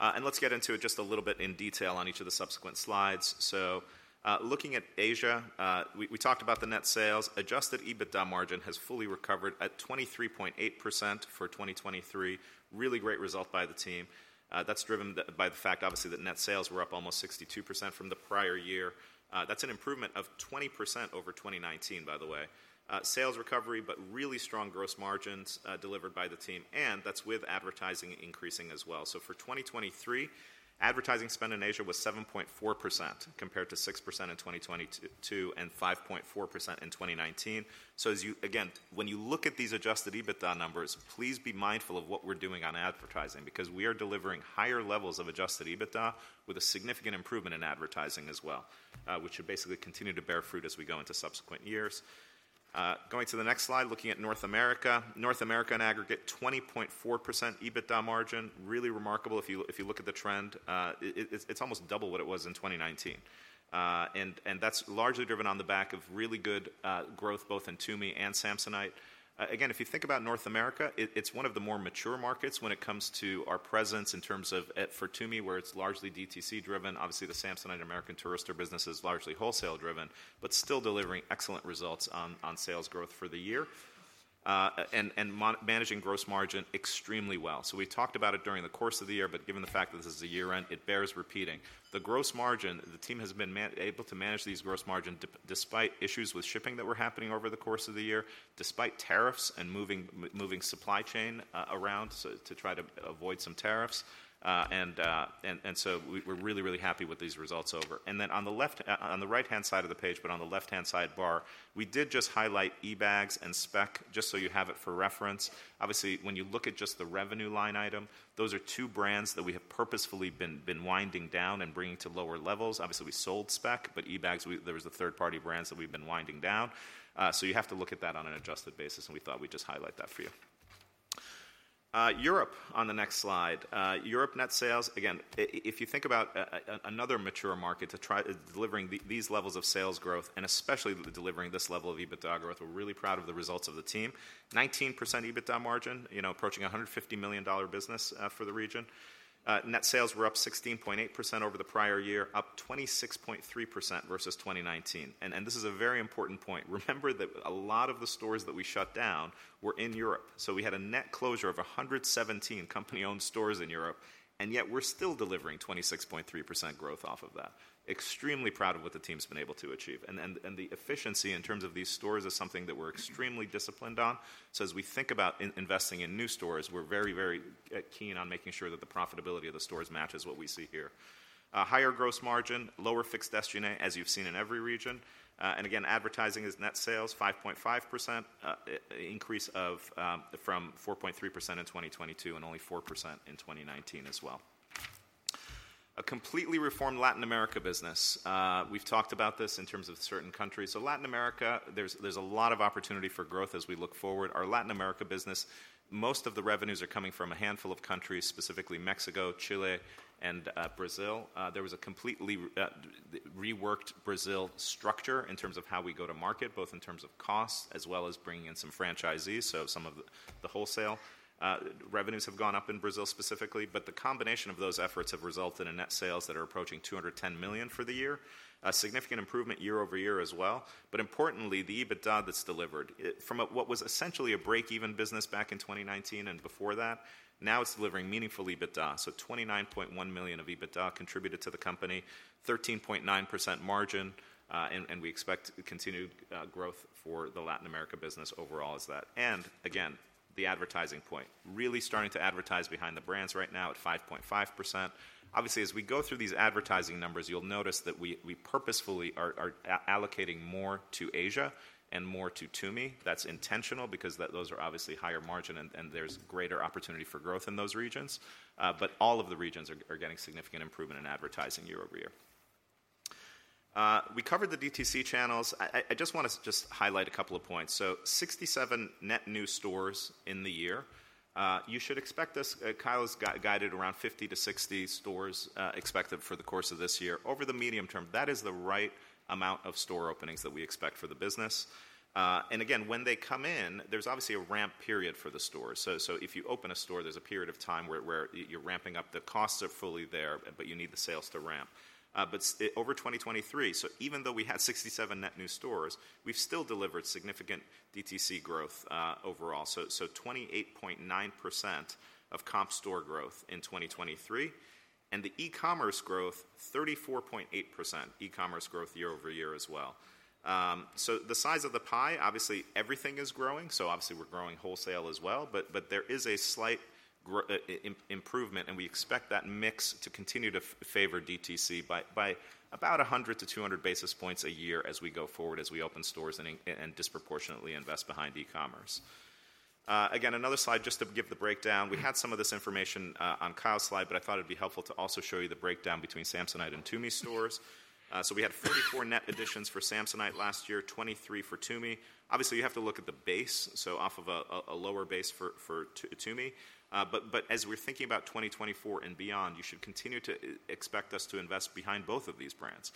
And let's get into it just a little bit in detail on each of the subsequent slides. So looking at Asia, we talked about the net sales. Adjusted EBITDA margin has fully recovered at 23.8% for 2023. Really great result by the team. That's driven by the fact, obviously, that net sales were up almost 62% from the prior year. That's an improvement of 20% over 2019, by the way. Sales recovery, but really strong gross margins delivered by the team. And that's with advertising increasing as well. So for 2023, advertising spend in Asia was 7.4% compared to 6% in 2022 and 5.4% in 2019. So as you, again, when you look at these adjusted EBITDA numbers, please be mindful of what we're doing on advertising because we are delivering higher levels of adjusted EBITDA with a significant improvement in advertising as well, which should basically continue to bear fruit as we go into subsequent years. Going to the next slide, looking at North America. North America in aggregate, 20.4% EBITDA margin. Really remarkable if you, if you look at the trend. It's, it's almost double what it was in 2019. And, and that's largely driven on the back of really good growth both in TUMI and Samsonite. Again, if you think about North America, it's one of the more mature markets when it comes to our presence in terms of, for TUMI, where it's largely DTC driven. Obviously, the Samsonite and American Tourister business is largely wholesale driven. But still delivering excellent results on, on sales growth for the year. And, and managing gross margin extremely well. So we've talked about it during the course of the year. But given the fact that this is a year-end, it bears repeating. The gross margin, the team has been able to manage these gross margin despite issues with shipping that were happening over the course of the year, despite tariffs and moving, moving supply chain around to try to avoid some tariffs. And, and, and so we're really, really happy with these results over. And then on the left, on the right-hand side of the page, but on the left-hand side bar, we did just highlight eBags and Speck just so you have it for reference. Obviously, when you look at just the revenue line item, those are two brands that we have purposefully been, been winding down and bringing to lower levels. Obviously, we sold Speck. But eBags, there was a third-party brand that we've been winding down. So you have to look at that on an adjusted basis. And we thought we'd just highlight that for you. Europe on the next slide. Europe net sales, again, if you think about another mature market to try delivering these levels of sales growth and especially delivering this level of EBITDA growth, we're really proud of the results of the team. 19% EBITDA margin, you know, approaching a $150 million business for the region. Net sales were up 16.8% over the prior year, up 26.3% versus 2019. And this is a very important point. Remember that a lot of the stores that we shut down were in Europe. So we had a net closure of 117 company-owned stores in Europe. And yet we're still delivering 26.3% growth off of that. Extremely proud of what the team's been able to achieve. And the efficiency in terms of these stores is something that we're extremely disciplined on. So as we think about investing in new stores, we're very, very keen on making sure that the profitability of the stores matches what we see here. Higher gross margin, lower fixed SG&A as you've seen in every region. And again, advertising is net sales, 5.5% increase from 4.3% in 2022 and only 4% in 2019 as well. A completely reformed Latin America business. We've talked about this in terms of certain countries. So Latin America, there's a lot of opportunity for growth as we look forward. Our Latin America business, most of the revenues are coming from a handful of countries, specifically Mexico, Chile, and Brazil. There was a completely reworked Brazil structure in terms of how we go to market, both in terms of costs as well as bringing in some franchisees, so some of the wholesale revenues have gone up in Brazil specifically. But the combination of those efforts have resulted in net sales that are approaching $210 million for the year. A significant improvement year-over-year as well. But importantly, the EBITDA that's delivered from what was essentially a break-even business back in 2019 and before that, now it's delivering meaningful EBITDA. So $29.1 million of EBITDA contributed to the company, 13.9% margin. And we expect continued growth for the Latin America business overall as that. And again, the advertising point. Really starting to advertise behind the brands right now at 5.5%. Obviously, as we go through these advertising numbers, you'll notice that we, we purposefully are allocating more to Asia and more to TUMI. That's intentional because those are obviously higher margin. And there's greater opportunity for growth in those regions. But all of the regions are getting significant improvement in advertising year-over-year. We covered the DTC channels. I just wanna highlight a couple of points. So 67 net new stores in the year. You should expect this, Kyle's guided around 50-60 stores expected for the course of this year. Over the medium term, that is the right amount of store openings that we expect for the business. And again, when they come in, there's obviously a ramp period for the stores. So if you open a store, there's a period of time where you're ramping up. The costs are fully there. But you need the sales to ramp. But over 2023, so even though we had 67 net new stores, we've still delivered significant DTC growth overall. So 28.9% of comp store growth in 2023. And the e-commerce growth, 34.8% e-commerce growth year over year as well. So the size of the pie, obviously everything is growing. So obviously we're growing wholesale as well. But there is a slight improvement. We expect that mix to continue to favor DTC by about 100-200 basis points a year as we go forward, as we open stores and disproportionately invest behind e-commerce. Again, another slide just to give the breakdown. We had some of this information on Kyle's slide. But I thought it'd be helpful to also show you the breakdown between Samsonite and TUMI stores. So we had 44 net additions for Samsonite last year, 23 for TUMI. Obviously you have to look at the base. So off of a lower base for TUMI. But as we're thinking about 2024 and beyond, you should continue to expect us to invest behind both of these brands.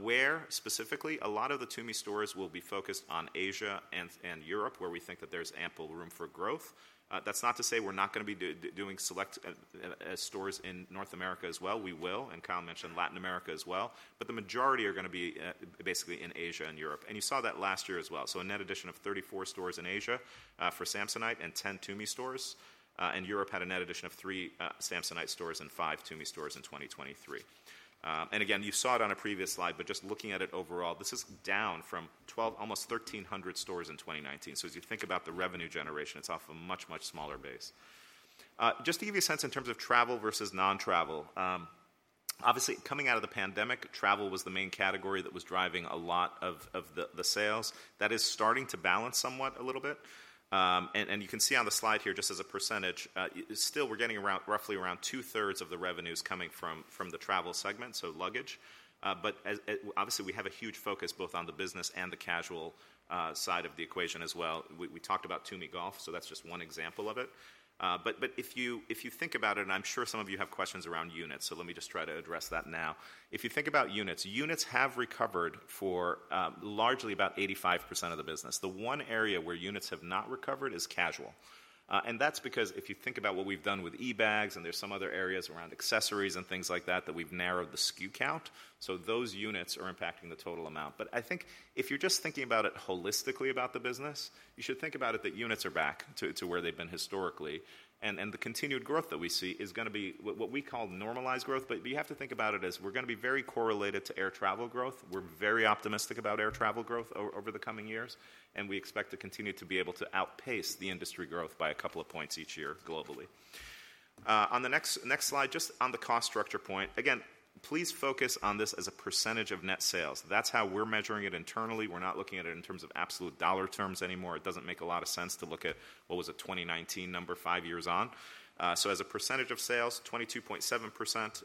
Where specifically? A lot of the TUMI stores will be focused on Asia and Europe, where we think that there's ample room for growth. That's not to say we're not gonna be doing select stores in North America as well. We will. Kyle mentioned Latin America as well. The majority are gonna be basically in Asia and Europe. You saw that last year as well. A net addition of 34 stores in Asia for Samsonite and 10 TUMI stores. Europe had a net addition of 3 Samsonite stores and 5 TUMI stores in 2023. Again, you saw it on a previous slide. Just looking at it overall, this is down from 12, almost 1,300 stores in 2019. As you think about the revenue generation, it's off a much, much smaller base. Just to give you a sense in terms of travel versus non-travel, obviously coming out of the pandemic, travel was the main category that was driving a lot of the sales. That is starting to balance somewhat a little bit. You can see on the slide here just as a percentage, still we're getting around roughly around two-thirds of the revenues coming from the travel segment, so luggage. But obviously we have a huge focus both on the business and the casual side of the equation as well. We talked about TUMI Golf. So that's just one example of it. But if you think about it, and I'm sure some of you have questions around units. So let me just try to address that now. If you think about units, units have recovered for largely about 85% of the business. The one area where units have not recovered is casual. And that's because if you think about what we've done with eBags and there's some other areas around accessories and things like that that we've narrowed the SKU count. So those units are impacting the total amount. But I think if you're just thinking about it holistically about the business, you should think about it that units are back to where they've been historically. And the continued growth that we see is gonna be what we call normalized growth. But you have to think about it as we're gonna be very correlated to air travel growth. We're very optimistic about air travel growth over the coming years. And we expect to continue to be able to outpace the industry growth by a couple of points each year globally. On the next slide, just on the cost structure point, again, please focus on this as a percentage of net sales. That's how we're measuring it internally. We're not looking at it in terms of absolute dollar terms anymore. It doesn't make a lot of sense to look at, what was a 2019 number five years on? So as a percentage of sales, 22.7%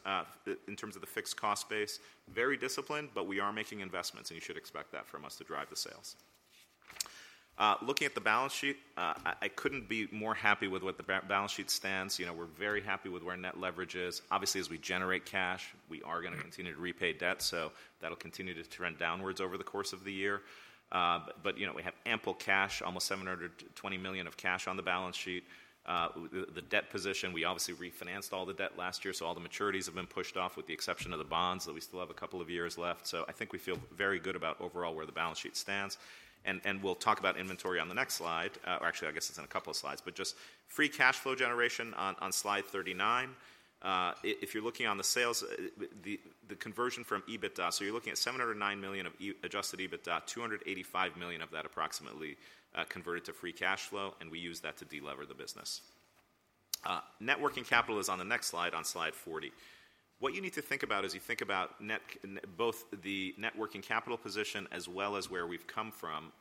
in terms of the fixed cost base. Very disciplined. But we are making investments. And you should expect that from us to drive the sales. Looking at the balance sheet, I couldn't be more happy with what the balance sheet stands. You know, we're very happy with where net leverage is. Obviously, as we generate cash, we are gonna continue to repay debt. So that'll continue to trend downwards over the course of the year. But, you know, we have ample cash, almost $720 million of cash on the balance sheet. The debt position, we obviously refinanced all the debt last year. So all the maturities have been pushed off with the exception of the bonds. But we still have a couple of years left. So I think we feel very good about overall where the balance sheet stands. And we'll talk about inventory on the next slide. Or actually I guess it's in a couple of slides. But just free cash flow generation on slide 39. If you're looking on the sales, the conversion from EBITDA, so you're looking at $709 million of Adjusted EBITDA, $285 million of that approximately converted to free cash flow. And we use that to delever the business. Working capital is on the next slide, on slide 40. What you need to think about as you think about both the working capital position as well as where we've come from,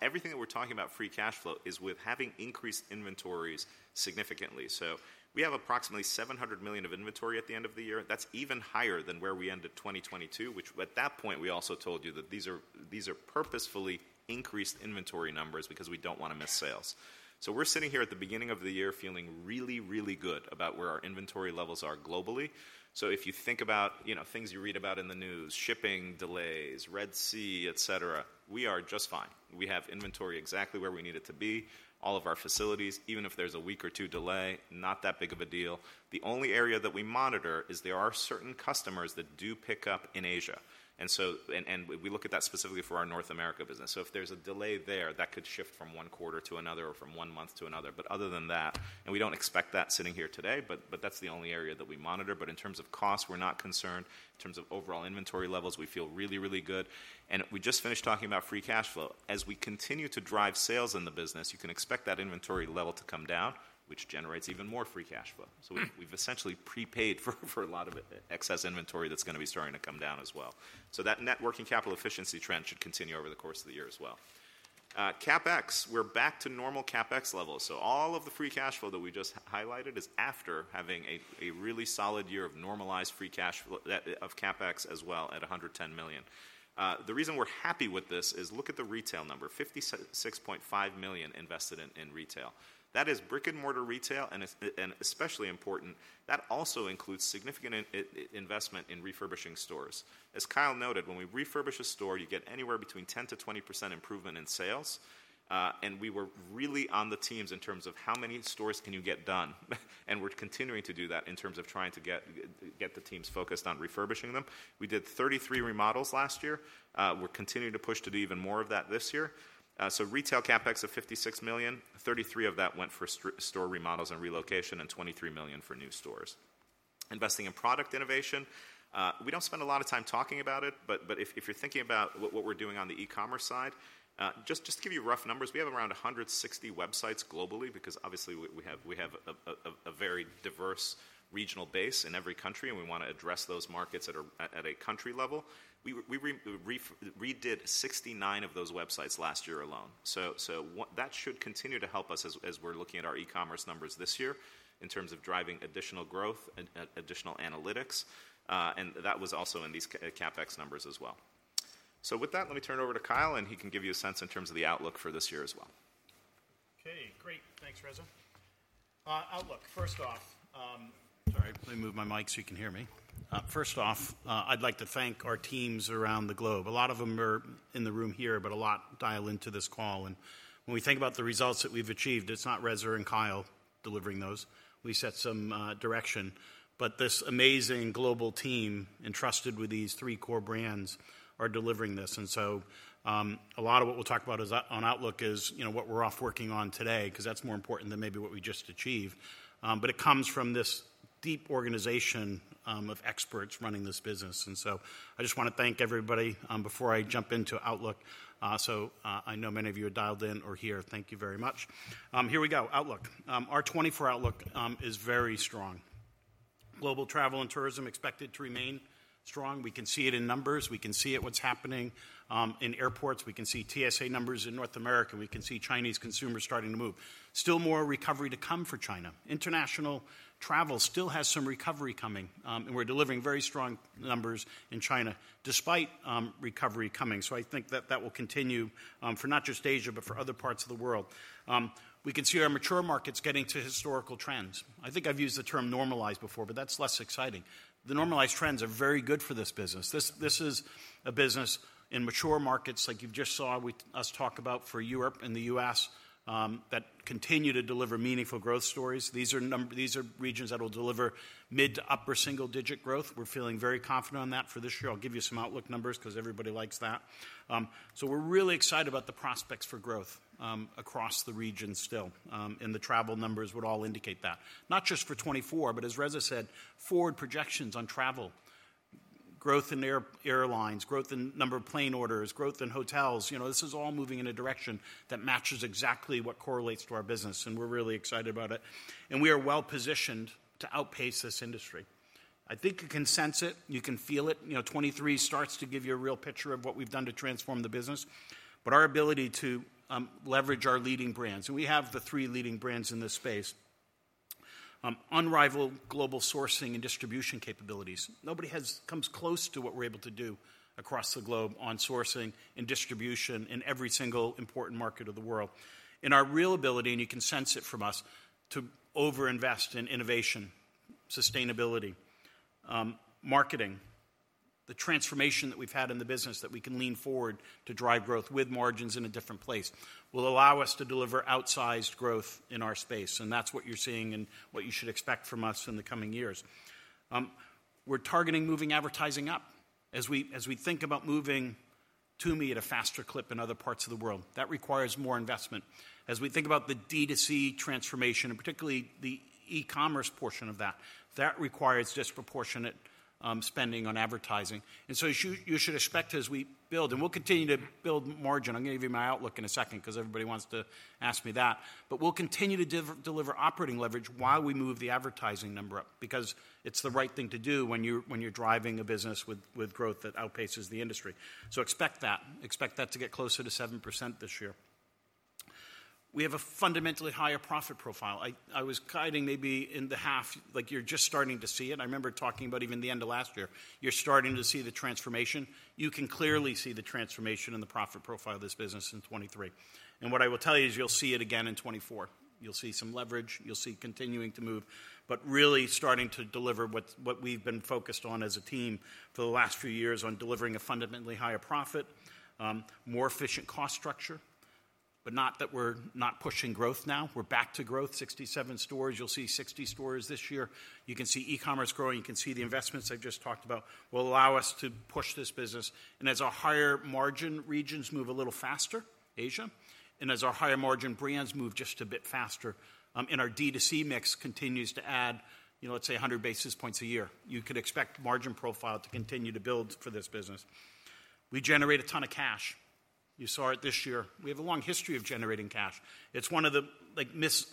everything that we're talking about free cash flow is with having increased inventories significantly. So we have approximately $700 million of inventory at the end of the year. That's even higher than where we ended 2022, which at that point we also told you that these are purposefully increased inventory numbers because we don't wanna miss sales. We're sitting here at the beginning of the year feeling really, really good about where our inventory levels are globally. If you think about, you know, things you read about in the news, shipping delays, Red Sea, et cetera, we are just fine. We have inventory exactly where we need it to be. All of our facilities, even if there's a week or two delay, not that big of a deal. The only area that we monitor is there are certain customers that do pick up in Asia. And so we look at that specifically for our North America business. So if there's a delay there, that could shift from one quarter to another or from one month to another. But other than that, and we don't expect that sitting here today. But that's the only area that we monitor. But in terms of costs, we're not concerned. In terms of overall inventory levels, we feel really, really good. And we just finished talking about free cash flow. As we continue to drive sales in the business, you can expect that inventory level to come down, which generates even more free cash flow. So we've essentially prepaid for a lot of excess inventory that's gonna be starting to come down as well. So that working capital efficiency trend should continue over the course of the year as well. CapEx, we're back to normal CapEx levels. So all of the free cash flow that we just highlighted is after having a really solid year of normalized free cash flow of CapEx as well at $110 million. The reason we're happy with this is look at the retail number, $56.5 million invested in retail. That is brick and mortar retail. And especially important, that also includes significant investment in refurbishing stores. As Kyle noted, when we refurbish a store, you get anywhere between 10%-20% improvement in sales. And we were really on the teams in terms of how many stores can you get done. And we're continuing to do that in terms of trying to get the teams focused on refurbishing them. We did 33 remodels last year. We're continuing to push to do even more of that this year. So retail CapEx of $56 million, $33 million of that went for store remodels and relocation and $23 million for new stores. Investing in product innovation, we don't spend a lot of time talking about it. But if you're thinking about what we're doing on the e-commerce side, just to give you rough numbers, we have around 160 websites globally because obviously we have a very diverse regional base in every country. And we wanna address those markets at a country level. We redid 69 of those websites last year alone. So that should continue to help us as we're looking at our e-commerce numbers this year in terms of driving additional growth and additional analytics. And that was also in these CapEx numbers as well. So with that, let me turn it over to Kyle. He can give you a sense in terms of the outlook for this year as well. Okay. Great. Thanks, Reza. Outlook, first off. Sorry, let me move my mic so you can hear me. First off, I'd like to thank our teams around the globe. A lot of them are in the room here. But a lot dial into this call. And when we think about the results that we've achieved, it's not Reza and Kyle delivering those. We set some direction. But this amazing global team entrusted with these three core brands are delivering this. And so a lot of what we'll talk about on outlook is, you know, what we're off working on today 'cause that's more important than maybe what we just achieved. But it comes from this deep organization of experts running this business. I just wanna thank everybody before I jump into Outlook. I know many of you are dialed in or here. Thank you very much. Here we go. Outlook. Our 2024 Outlook is very strong. Global travel and tourism expected to remain strong. We can see it in numbers. We can see it what's happening in airports. We can see TSA numbers in North America. We can see Chinese consumers starting to move. Still more recovery to come for China. International travel still has some recovery coming. We're delivering very strong numbers in China despite recovery coming. I think that that will continue for not just Asia but for other parts of the world. We can see our mature markets getting to historical trends. I think I've used the term normalized before. But that's less exciting. The normalized trends are very good for this business. This is a business in mature markets like you just saw us talk about for Europe and the U.S. that continue to deliver meaningful growth stories. These are regions that'll deliver mid to upper single digit growth. We're feeling very confident on that for this year. I'll give you some Outlook numbers 'cause everybody likes that. So we're really excited about the prospects for growth across the region still. And the travel numbers would all indicate that. Not just for 2024. But as Reza said, forward projections on travel, growth in airlines, growth in number of plane orders, growth in hotels, you know, this is all moving in a direction that matches exactly what correlates to our business. And we're really excited about it. And we are well positioned to outpace this industry. I think you can sense it. You can feel it. You know, 2023 starts to give you a real picture of what we've done to transform the business. But our ability to leverage our leading brands, and we have the three leading brands in this space, unrivaled global sourcing and distribution capabilities, nobody comes close to what we're able to do across the globe on sourcing and distribution in every single important market of the world. And our real ability, and you can sense it from us, to overinvest in innovation, sustainability, marketing, the transformation that we've had in the business that we can lean forward to drive growth with margins in a different place will allow us to deliver outsized growth in our space. And that's what you're seeing and what you should expect from us in the coming years. We're targeting moving advertising up as we think about moving TUMI at a faster clip in other parts of the world. That requires more investment. As we think about the D2C transformation and particularly the e-commerce portion of that, that requires disproportionate spending on advertising. And so you should expect as we build, and we'll continue to build margin, I'm gonna give you my outlook in a second 'cause everybody wants to ask me that. But we'll continue to deliver operating leverage while we move the advertising number up because it's the right thing to do when you're driving a business with growth that outpaces the industry. So expect that. Expect that to get closer to 7% this year. We have a fundamentally higher profit profile. I was guiding maybe in the half, like you're just starting to see it. I remember talking about even the end of last year. You're starting to see the transformation. You can clearly see the transformation in the profit profile of this business in 2023. What I will tell you is you'll see it again in 2024. You'll see some leverage. You'll see continuing to move. But really starting to deliver what we've been focused on as a team for the last few years on delivering a fundamentally higher profit, more efficient cost structure. But not that we're not pushing growth now. We're back to growth, 67 stores. You'll see 60 stores this year. You can see e-commerce growing. You can see the investments I just talked about will allow us to push this business. And as our higher margin regions move a little faster, Asia, and as our higher margin brands move just a bit faster, and our D2C mix continues to add, you know, let's say 100 basis points a year, you could expect margin profile to continue to build for this business. We generate a ton of cash. You saw it this year. We have a long history of generating cash. It's one of the, like, missed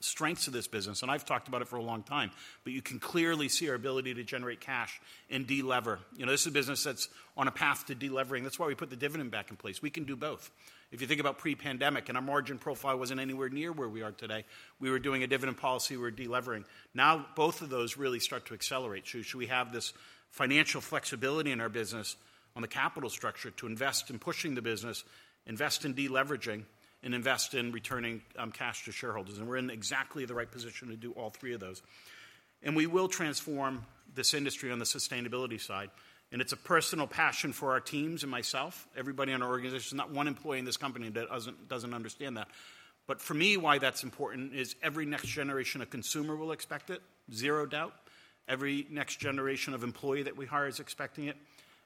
strengths of this business. And I've talked about it for a long time. But you can clearly see our ability to generate cash and delever. You know, this is a business that's on a path to delevering. That's why we put the dividend back in place. We can do both. If you think about pre-pandemic and our margin profile wasn't anywhere near where we are today, we were doing a dividend policy. We were delevering. Now both of those really start to accelerate. So should we have this financial flexibility in our business on the capital structure to invest in pushing the business, invest in deleveraging, and invest in returning cash to shareholders? And we're in exactly the right position to do all three of those. And we will transform this industry on the sustainability side. And it's a personal passion for our teams and myself, everybody in our organization, not one employee in this company that doesn't understand that. But for me, why that's important is every next generation of consumer will expect it, zero doubt. Every next generation of employee that we hire is expecting it.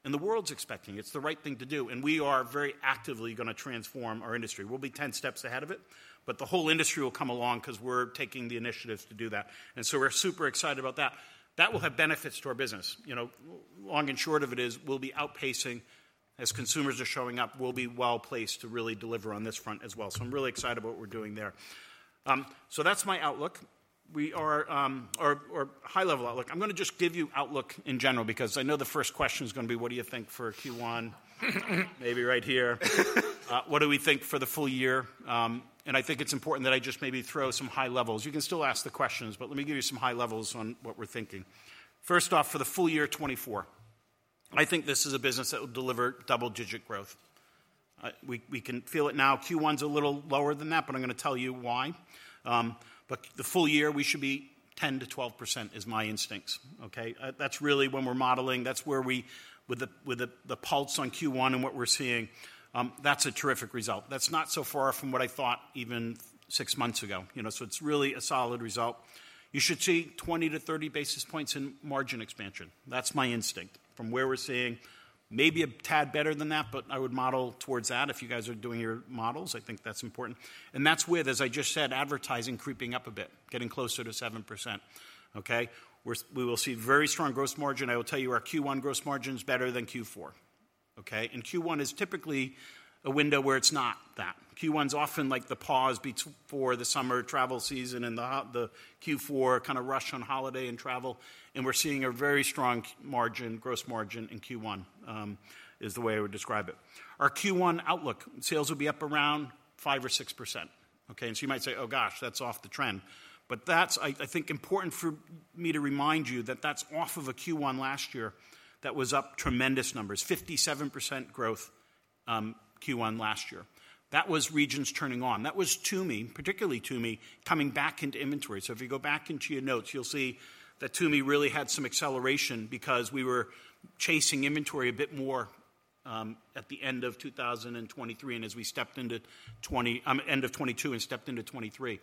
And the world's expecting it. It's the right thing to do. And we are very actively gonna transform our industry. We'll be 10 steps ahead of it. But the whole industry will come along 'cause we're taking the initiatives to do that. And so we're super excited about that. That will have benefits to our business. You know, long and short of it is we'll be outpacing as consumers are showing up, we'll be well placed to really deliver on this front as well. So I'm really excited about what we're doing there. So that's my outlook. We are our high-level outlook. I'm gonna just give you outlook in general because I know the first question's gonna be, what do you think for Q1? Maybe right here. What do we think for the full year? And I think it's important that I just maybe throw some high levels. You can still ask the questions. But let me give you some high levels on what we're thinking. First off, for the full year 2024, I think this is a business that will deliver double-digit growth. We can feel it now. Q1's a little lower than that. But I'm gonna tell you why. But the full year we should be 10%-12% is my instincts, okay? That's really when we're modeling. That's where we, with the pulse on Q1 and what we're seeing, that's a terrific result. That's not so far from what I thought even six months ago, you know? So it's really a solid result. You should see 20-30 basis points in margin expansion. That's my instinct from where we're seeing. Maybe a tad better than that. But I would model towards that if you guys are doing your models. I think that's important. And that's with, as I just said, advertising creeping up a bit, getting closer to 7%, okay? We will see very strong gross margin. I will tell you our Q1 gross margin's better than Q4, okay? Q1 is typically a window where it's not that. Q1's often like the pause before the summer travel season and the Q4 kind of rush on holiday and travel. We're seeing a very strong margin, gross margin in Q1 is the way I would describe it. Our Q1 outlook, sales will be up around 5%-6%, okay? So you might say, oh gosh, that's off the trend. But that's, I think, important for me to remind you that that's off of a Q1 last year that was up tremendous numbers, 57% growth Q1 last year. That was regions turning on. That was TUMI, particularly TUMI, coming back into inventory. So if you go back into your notes, you'll see that TUMI really had some acceleration because we were chasing inventory a bit more at the end of 2023 and as we stepped into 2020, end of 2022 and stepped into 2023.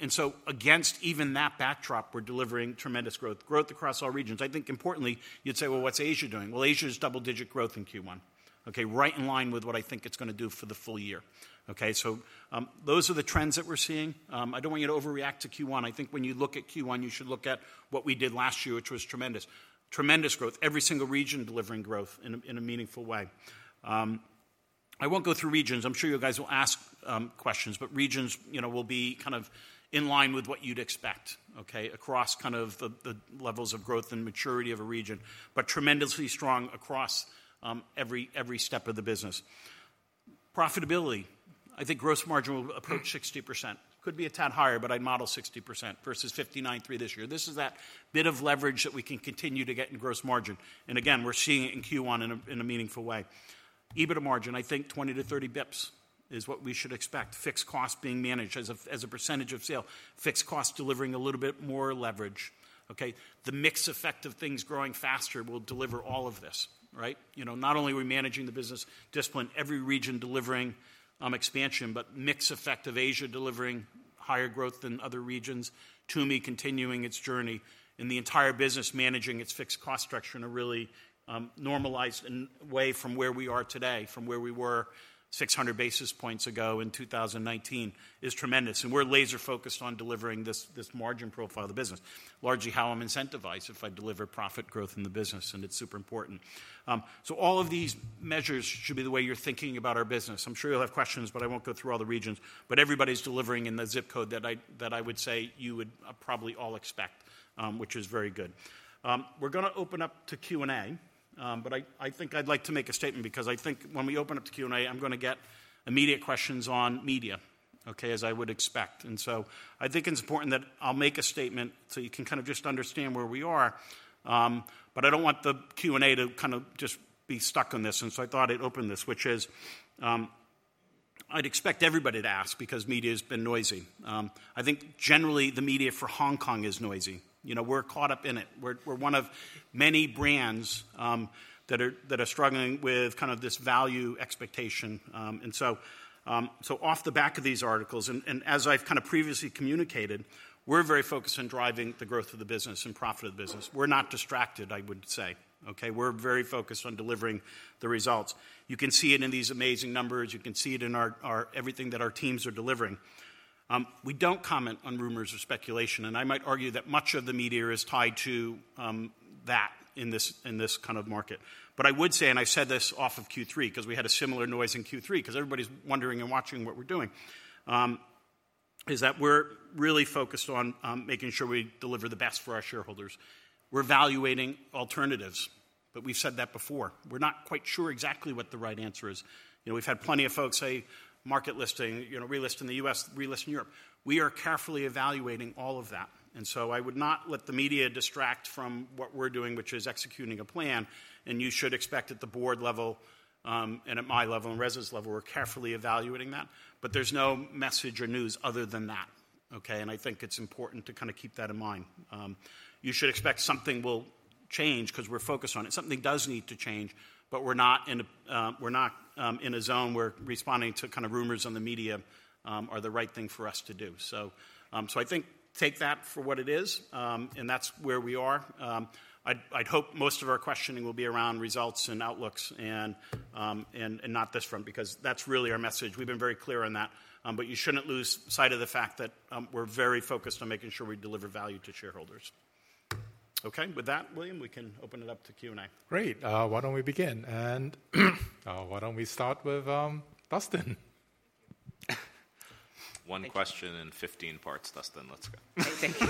And so against even that backdrop, we're delivering tremendous growth, growth across all regions. I think importantly, you'd say, well, what's Asia doing? Well, Asia's double-digit growth in Q1, okay? Right in line with what I think it's gonna do for the full year, okay? So those are the trends that we're seeing. I don't want you to overreact to Q1. I think when you look at Q1, you should look at what we did last year, which was tremendous, tremendous growth, every single region delivering growth in a meaningful way. I won't go through regions. I'm sure you guys will ask questions. But regions, you know, will be kind of in line with what you'd expect, okay, across kind of the levels of growth and maturity of a region, but tremendously strong across every step of the business. Profitability, I think gross margin will approach 60%. Could be a tad higher. But I'd model 60% versus 59.3% this year. This is that bit of leverage that we can continue to get in gross margin. And again, we're seeing it in Q1 in a meaningful way. EBITDA margin, I think 20-30 bps is what we should expect, fixed costs being managed as a percentage of sale, fixed costs delivering a little bit more leverage, okay? The mix effect of things growing faster will deliver all of this, right? You know, not only are we managing the business discipline, every region delivering expansion, but mix effect of Asia delivering higher growth than other regions, TUMI continuing its journey in the entire business, managing its fixed cost structure in a really normalized way from where we are today, from where we were 600 basis points ago in 2019, is tremendous. We're laser focused on delivering this margin profile of the business, largely how I'm incentivized if I deliver profit growth in the business. It's super important. So all of these measures should be the way you're thinking about our business. I'm sure you'll have questions. But I won't go through all the regions. But everybody's delivering in the zip code that I would say you would probably all expect, which is very good. We're gonna open up to Q&A. But I think I'd like to make a statement because I think when we open up to Q&A, I'm gonna get immediate questions on media, okay, as I would expect. So I think it's important that I'll make a statement so you can kind of just understand where we are. But I don't want the Q&A to kind of just be stuck on this. So I thought I'd open this, which is I'd expect everybody to ask because media's been noisy. I think generally the media for Hong Kong is noisy. You know, we're caught up in it. We're one of many brands that are struggling with kind of this value expectation. So off the back of these articles and as I've kind of previously communicated, we're very focused on driving the growth of the business and profit of the business. We're not distracted, I would say, okay? We're very focused on delivering the results. You can see it in these amazing numbers. You can see it in our everything that our teams are delivering. We don't comment on rumors or speculation. And I might argue that much of the media is tied to that in this kind of market. But I would say, and I said this off of Q3 'cause we had a similar noise in Q3 'cause everybody's wondering and watching what we're doing, is that we're really focused on making sure we deliver the best for our shareholders. We're evaluating alternatives. But we've said that before. We're not quite sure exactly what the right answer is. You know, we've had plenty of folks say market listing, you know, relist in the U.S., relist in Europe. We are carefully evaluating all of that. So I would not let the media distract from what we're doing, which is executing a plan. You should expect at the board level and at my level and Reza's level, we're carefully evaluating that. But there's no message or news other than that, okay? And I think it's important to kind of keep that in mind. You should expect something will change 'cause we're focused on it. Something does need to change. But we're not in a zone where responding to kind of rumors on the media are the right thing for us to do. So I think take that for what it is. And that's where we are. I'd hope most of our questioning will be around results and outlooks and not this front because that's really our message. We've been very clear on that. But you shouldn't lose sight of the fact that we're very focused on making sure we deliver value to shareholders, okay? With that, William, we can open it up to Q&A. Great. Why don't we begin? Why don't we start with Dustin? Thank you. One question in 15 parts, Dustin. Let's go. Thank you.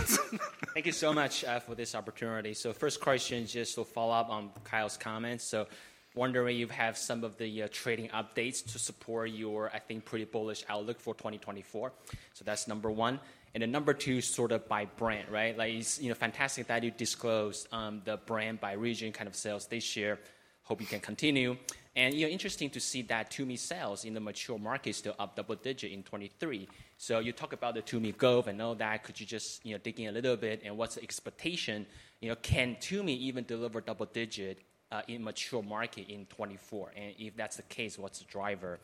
Thank you so much for this opportunity. So first question just to follow up on Kyle's comments. So wondering if you have some of the trading updates to support your, I think, pretty bullish outlook for 2024. So that's number one. And then number two, sort of by brand, right? Like, it's, you know, fantastic that you disclosed the brand by region kind of sales this year. Hope you can continue. And, you know, interesting to see that TUMI sales in the mature market still up double-digit in 2023. So you talk about the TUMI Golf and all that. Could you just, you know, dig in a little bit? And what's the expectation? You know, can TUMI even deliver double-digit in mature market in 2024? And if that's the case, what's the driver?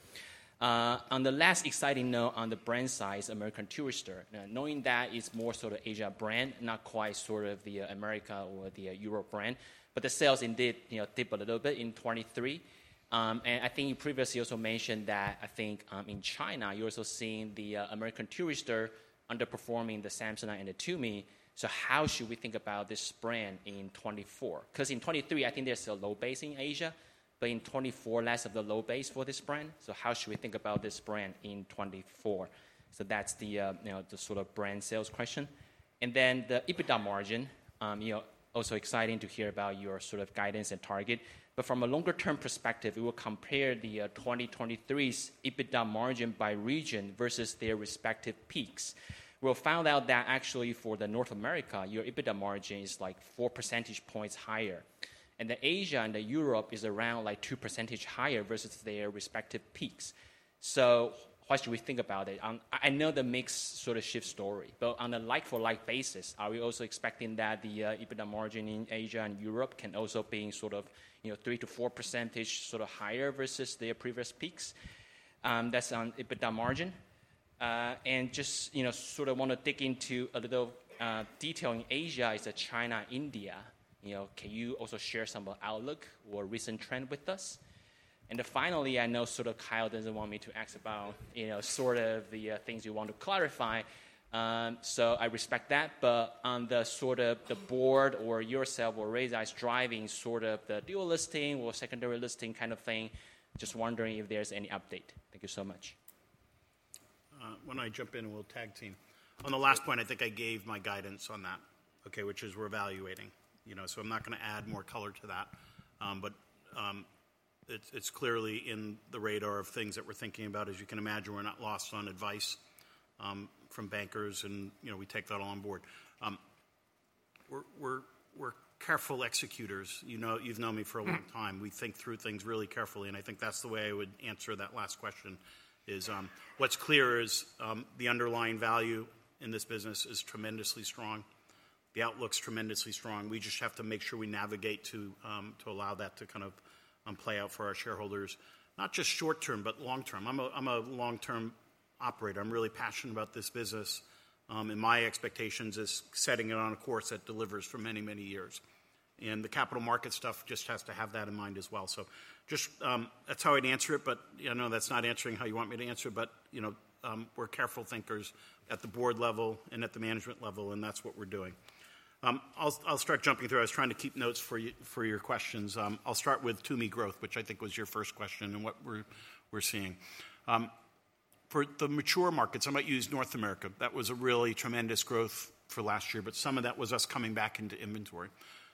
On the last exciting note on the brand size, American Tourister, knowing that it's more sort of Asia brand, not quite sort of the America or the Europe brand. But the sales indeed, you know, dip a little bit in 2023. And I think you previously also mentioned that I think in China, you're also seeing the American Tourister underperforming the Samsonite and the TUMI. So how should we think about this brand in 2024? 'Cause in 2023, I think there's still low base in Asia. But in 2024, less of the low base for this brand. So how should we think about this brand in 2024? So that's the, you know, the sort of brand sales question. And then the EBITDA margin, you know, also exciting to hear about your sort of guidance and target. But from a longer term perspective, we will compare the 2023's EBITDA margin by region versus their respective peaks. We'll find out that actually for North America, your EBITDA margin is like 4 percentage points higher. And Asia and Europe is around like 2 percentage higher versus their respective peaks. So why should we think about it? I know the mix sort of shift story. But on a like-for-like basis, are we also expecting that the EBITDA margin in Asia and Europe can also be sort of, you know, 3-4 percentage sort of higher versus their previous peaks? That's on EBITDA margin. And just, you know, sort of wanna dig into a little detail in Asia is that China and India, you know, can you also share some outlook or recent trend with us? And then finally, I know sort of Kyle doesn't want me to ask about, you know, sort of the things you want to clarify. So I respect that. But on the sort of the board or yourself or Reza, is driving sort of the dual listing or secondary listing kind of thing? Just wondering if there's any update. Thank you so much. When I jump in, we'll tag team. On the last point, I think I gave my guidance on that, okay, which is we're evaluating, you know? So I'm not gonna add more color to that. But it's clearly in the radar of things that we're thinking about. As you can imagine, we're not lost on advice from bankers. And, you know, we take that all on board. We're careful executors. You know, you've known me for a long time. We think through things really carefully. And I think that's the way I would answer that last question is what's clear is the underlying value in this business is tremendously strong. The outlook's tremendously strong. We just have to make sure we navigate to allow that to kind of play out for our shareholders, not just short term, but long term. I'm a long term operator. I'm really passionate about this business. And my expectations is setting it on a course that delivers for many, many years. And the capital market stuff just has to have that in mind as well. So just that's how I'd answer it. But I know that's not answering how you want me to answer it. But, you know, we're careful thinkers at the board level and at the management level. That's what we're doing. I'll start jumping through. I was trying to keep notes for your questions. I'll start with TUMI growth, which I think was your first question and what we're seeing. For the mature markets, I might use North America. That was a really tremendous growth for last year. But some of that was us coming back into inventory.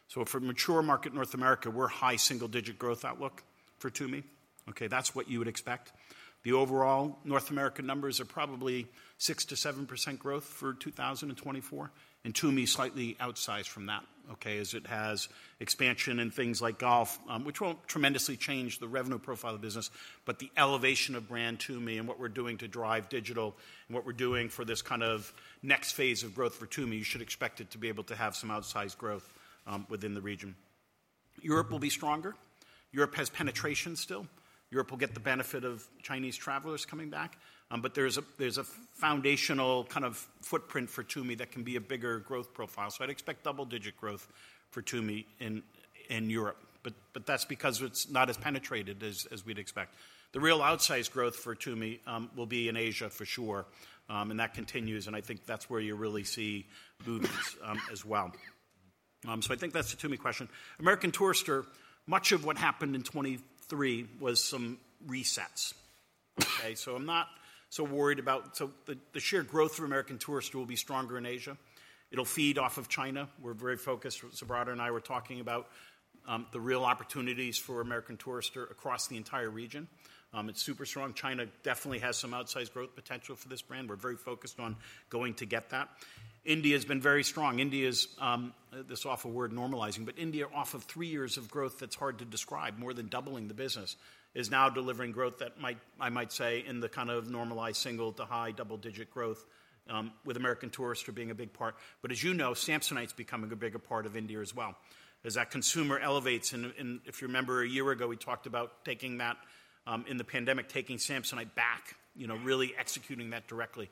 So for mature market North America, we're high single digit growth outlook for TUMI, okay? That's what you would expect. The overall North American numbers are probably 6%-7% growth for 2024. And TUMI slightly outsized from that, okay, as it has expansion in things like Golf, which won't tremendously change the revenue profile of the business. But the elevation of brand TUMI and what we're doing to drive digital and what we're doing for this kind of next phase of growth for TUMI, you should expect it to be able to have some outsized growth within the region. Europe will be stronger. Europe has penetration still. Europe will get the benefit of Chinese travelers coming back. But there's a foundational kind of footprint for TUMI that can be a bigger growth profile. So I'd expect double-digit growth for TUMI in Europe. But that's because it's not as penetrated as we'd expect. The real outsized growth for TUMI will be in Asia for sure. And that continues. And I think that's where you really see movements as well. So I think that's the TUMI question. American Tourister, much of what happened in 2023 was some resets, okay? So I'm not so worried about so the sheer growth for American Tourister will be stronger in Asia. It'll feed off of China. We're very focused. Subrata and I were talking about the real opportunities for American Tourister across the entire region. It's super strong. China definitely has some outsized growth potential for this brand. We're very focused on going to get that. India's been very strong. India's this awful word normalizing. But India, off of three years of growth that's hard to describe, more than doubling the business, is now delivering growth that might, I might say, in the kind of normalized single to high double digit growth with American Tourister being a big part. But as you know, Samsonite's becoming a bigger part of India as well as that consumer elevates. If you remember a year ago, we talked about taking that in the pandemic, taking Samsonite back, you know, really executing that directly.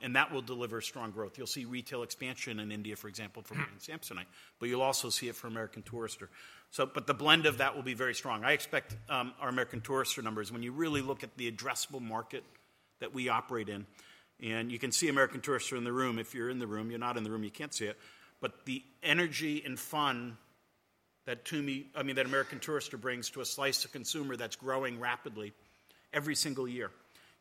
That will deliver strong growth. You'll see retail expansion in India, for example, for brand Samsonite. But you'll also see it for American Tourister. So but the blend of that will be very strong. I expect our American Tourister numbers, when you really look at the addressable market that we operate in, and you can see American Tourister in the room. If you're in the room, you're not in the room, you can't see it. But the energy and fun that TUMI, I mean, that American Tourister brings to a slice of consumer that's growing rapidly every single year.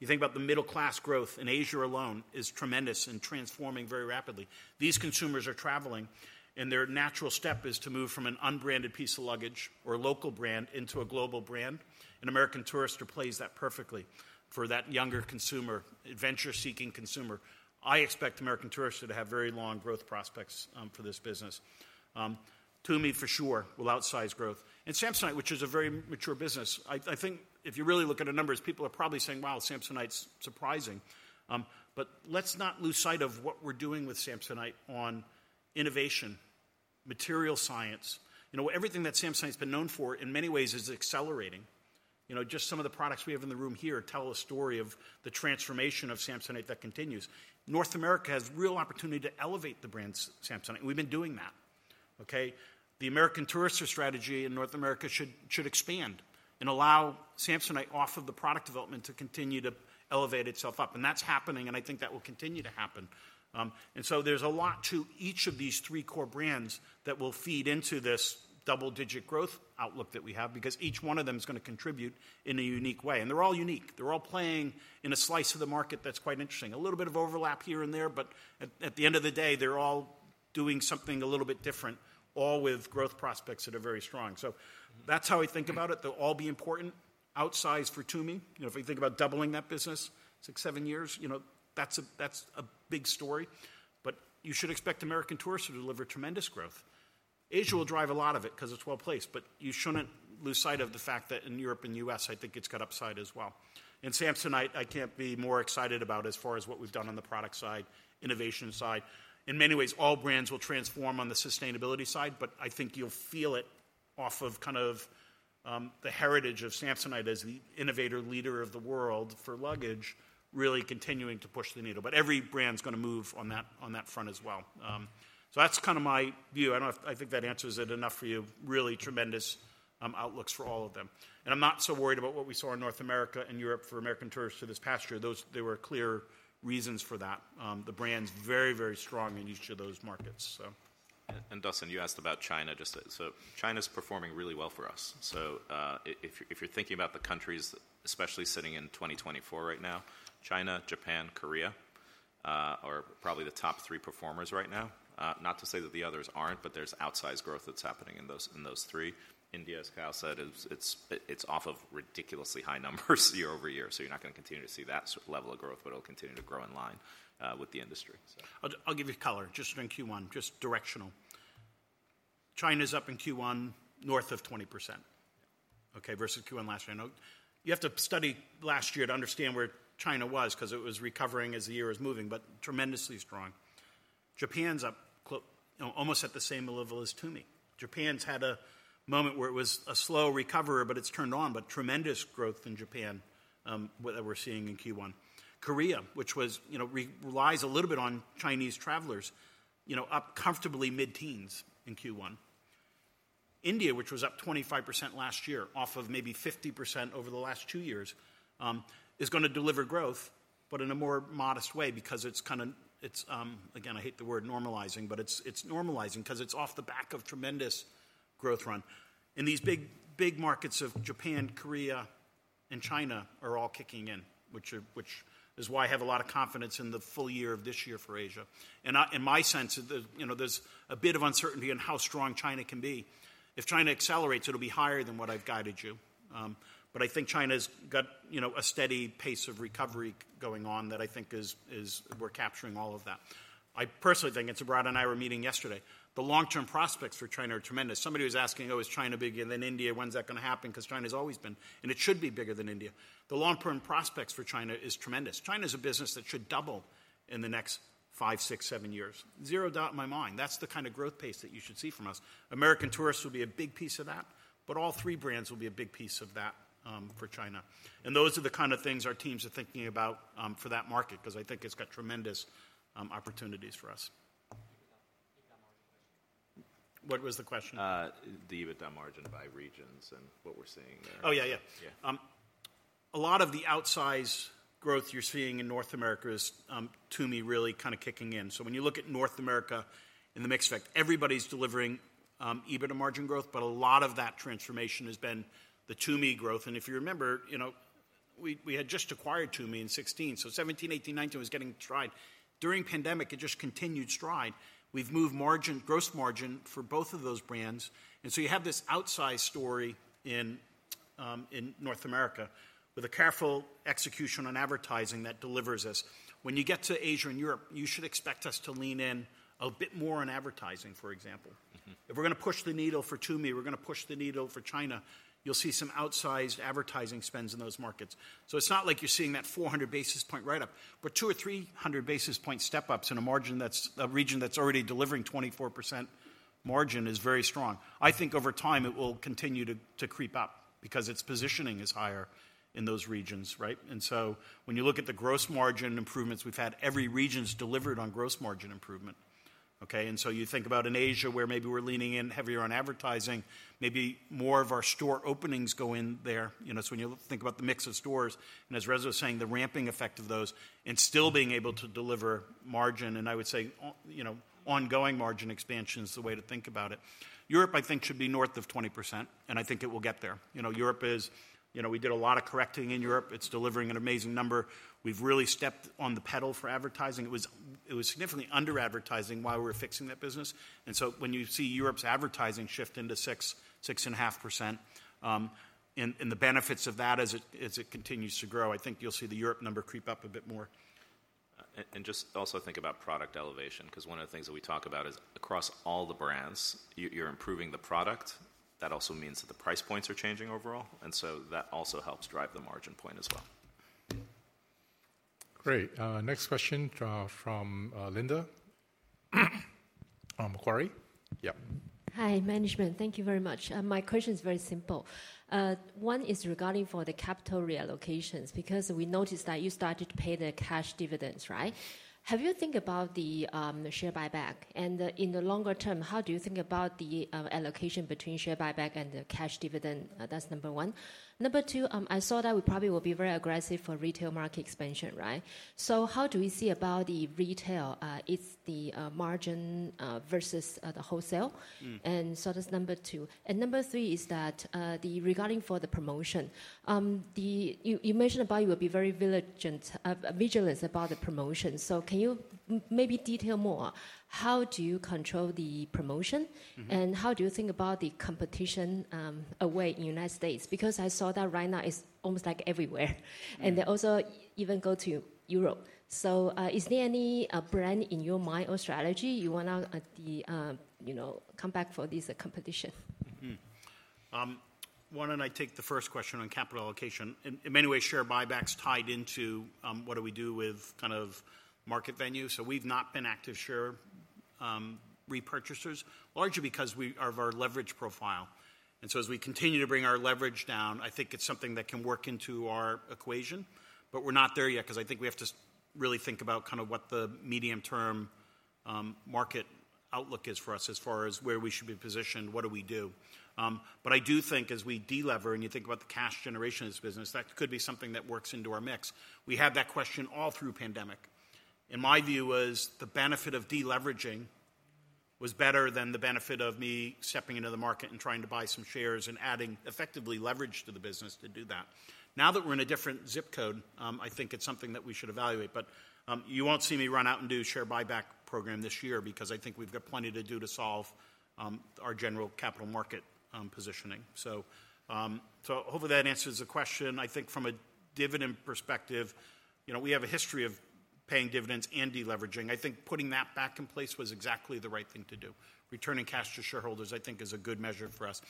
You think about the middle class growth in Asia alone is tremendous and transforming very rapidly. These consumers are traveling. Their natural step is to move from an unbranded piece of luggage or a local brand into a global brand. American Tourister plays that perfectly for that younger consumer, adventure seeking consumer. I expect American Tourister to have very long growth prospects for this business. TUMI for sure will outsize growth. Samsonite, which is a very mature business, I think if you really look at the numbers, people are probably saying, "Wow, Samsonite's surprising." But let's not lose sight of what we're doing with Samsonite on innovation, material science. You know, everything that Samsonite's been known for in many ways is accelerating. You know, just some of the products we have in the room here tell a story of the transformation of Samsonite that continues. North America has real opportunity to elevate the brand Samsonite. We've been doing that, okay? The American Tourister strategy in North America should expand and allow Samsonite, off of the product development, to continue to elevate itself up. That's happening. I think that will continue to happen. So there's a lot to each of these three core brands that will feed into this double-digit growth outlook that we have because each one of them's gonna contribute in a unique way. They're all unique. They're all playing in a slice of the market that's quite interesting. A little bit of overlap here and there. But at the end of the day, they're all doing something a little bit different, all with growth prospects that are very strong. That's how I think about it. They'll all be important. Outsize for TUMI. You know, if we think about doubling that business 6-7 years, you know, that's a big story. But you should expect American Tourister to deliver tremendous growth. Asia will drive a lot of it 'cause it's well placed. But you shouldn't lose sight of the fact that in Europe and U.S., I think it's got upside as well. And Samsonite, I can't be more excited about as far as what we've done on the product side, innovation side. In many ways, all brands will transform on the sustainability side. But I think you'll feel it off of kind of the heritage of Samsonite as the innovator leader of the world for luggage, really continuing to push the needle. But every brand's gonna move on that front as well. So that's kind of my view. I don't know if I think that answers it enough for you. Really tremendous outlooks for all of them. I'm not so worried about what we saw in North America and Europe for American Tourister this past year. Those, there were clear reasons for that. The brand's very, very strong in each of those markets, so. Dustin, you asked about China. Just so China's performing really well for us. So if you're thinking about the countries, especially sitting in 2024 right now, China, Japan, Korea are probably the top three performers right now. Not to say that the others aren't. But there's outsized growth that's happening in those three. India, as Kyle said, it's off of ridiculously high numbers year over year. So you're not gonna continue to see that level of growth. But it'll continue to grow in line with the industry, so. I'll give you color. Just in Q1, just directional. China's up in Q1 north of 20%, okay, versus Q1 last year. I know you have to study last year to understand where China was 'cause it was recovering as the year was moving, but tremendously strong. Japan's up, you know, almost at the same level as TUMI. Japan's had a moment where it was a slow recoverer. But it's turned on. But tremendous growth in Japan that we're seeing in Q1. Korea, which was, you know, relies a little bit on Chinese travelers, you know, up comfortably mid-teens in Q1. India, which was up 25% last year, off of maybe 50% over the last two years, is gonna deliver growth. But in a more modest way because it's kind of, it's again, I hate the word normalizing. But it's normalizing 'cause it's off the back of tremendous growth run. These big, big markets of Japan, Korea, and China are all kicking in, which is why I have a lot of confidence in the full year of this year for Asia. In my sense, you know, there's a bit of uncertainty in how strong China can be. If China accelerates, it'll be higher than what I've guided you. But I think China's got, you know, a steady pace of recovery going on that I think is we're capturing all of that. I personally think, and Sabrador and I were meeting yesterday, the long-term prospects for China are tremendous. Somebody was asking, "Oh, is China bigger than India? When's that gonna happen?" 'Cause China's always been, and it should be bigger than India. The long-term prospects for China is tremendous. China's a business that should double in the next five, six, seven years. Zero doubt in my mind. That's the kind of growth pace that you should see from us. American Tourister will be a big piece of that. But all three brands will be a big piece of that for China. And those are the kind of things our teams are thinking about for that market 'cause I think it's got tremendous opportunities for us. Thank you for that. Thank you for that margin question. What was the question? The EBITDA margin by regions and what we're seeing there. Oh, yeah, yeah. Yeah. A lot of the outsized growth you're seeing in North America is TUMI really kind of kicking in. So when you look at North America in the mixed effect, everybody's delivering EBITDA margin growth. But a lot of that transformation has been the TUMI growth. And if you remember, you know, we had just acquired TUMI in 2016. So 2017, 2018, 2019 was getting stride. During pandemic, it just continued stride. We've moved margin, gross margin for both of those brands. And so you have this outsized story in North America with a careful execution on advertising that delivers this. When you get to Asia and Europe, you should expect us to lean in a bit more on advertising, for example. If we're gonna push the needle for TUMI, we're gonna push the needle for China. You'll see some outsized advertising spends in those markets. So it's not like you're seeing that 400 basis point right up. But 200 or 300 basis point step ups in a margin that's a region that's already delivering 24% margin is very strong. I think over time, it will continue to creep up because its positioning is higher in those regions, right? And so when you look at the gross margin improvements we've had, every region's delivered on gross margin improvement, okay? And so you think about in Asia where maybe we're leaning in heavier on advertising, maybe more of our store openings go in there. You know, so when you think about the mix of stores, and as Reza was saying, the ramping effect of those and still being able to deliver margin. And I would say, you know, ongoing margin expansion's the way to think about it. Europe, I think, should be north of 20%. And I think it will get there. You know, Europe is, you know, we did a lot of correcting in Europe. It's delivering an amazing number. We've really stepped on the pedal for advertising. It was significantly under advertising while we were fixing that business. And so when you see Europe's advertising shift into 6%-6.5%, and the benefits of that as it continues to grow, I think you'll see the Europe number creep up a bit more. And just also think about product elevation 'cause one of the things that we talk about is across all the brands, you're improving the product. That also means that the price points are changing overall. And so that also helps drive the margin point as well. Great. Next question from Linda Macquarie. Yep. Hi, management. Thank you very much. My question's very simple. One is regarding for the capital reallocations because we noticed that you started to pay the cash dividends, right? Have you think about the share buyback? In the longer term, how do you think about the allocation between share buyback and the cash dividend? That's number one. Number two, I saw that we probably will be very aggressive for retail market expansion, right? So how do we see about the retail? It's the margin versus the wholesale. And so that's number two. And number three is that the regarding for the promotion, you mentioned about you will be very vigilant about the promotion. So can you maybe detail more? How do you control the promotion? And how do you think about the competition Away in the United States? Because I saw that right now, it's almost like everywhere. And they also even go to Europe. So is there any brand in your mind or strategy you wanna the, you know, come back for this competition? - Wanna I take the first question on capital allocation? In many ways, share buyback's tied into what we do with kind of market value. So we've not been active share repurchasers, largely because of our leverage profile. And so as we continue to bring our leverage down, I think it's something that can work into our equation. But we're not there yet 'cause I think we have to really think about kind of what the medium-term market outlook is for us as far as where we should be positioned, what we do. But I do think as we delever and you think about the cash generation of this business, that could be something that works into our mix. We had that question all through pandemic. My view was the benefit of deleveraging was better than the benefit of me stepping into the market and trying to buy some shares and adding effectively leverage to the business to do that. Now that we're in a different zip code, I think it's something that we should evaluate. But you won't see me run out and do share buyback program this year because I think we've got plenty to do to solve our general capital market positioning. Hopefully that answers the question. I think from a dividend perspective, you know, we have a history of paying dividends and deleveraging. I think putting that back in place was exactly the right thing to do. Returning cash to shareholders, I think, is a good measure for us.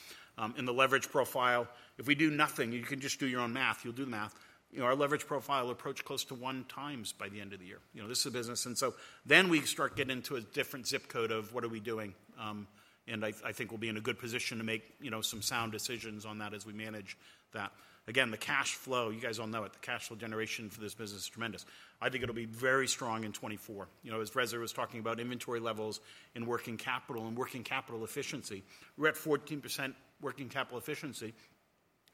In the leverage profile, if we do nothing, you can just do your own math. You'll do the math. You know, our leverage profile approached close to 1x by the end of the year. You know, this is the business. And so then we start getting into a different zip code of what are we doing? And I think we'll be in a good position to make, you know, some sound decisions on that as we manage that. Again, the cash flow, you guys all know it. The cash flow generation for this business is tremendous. I think it'll be very strong in 2024. You know, as Rezo was talking about inventory levels and working capital and working capital efficiency, we're at 14% working capital efficiency.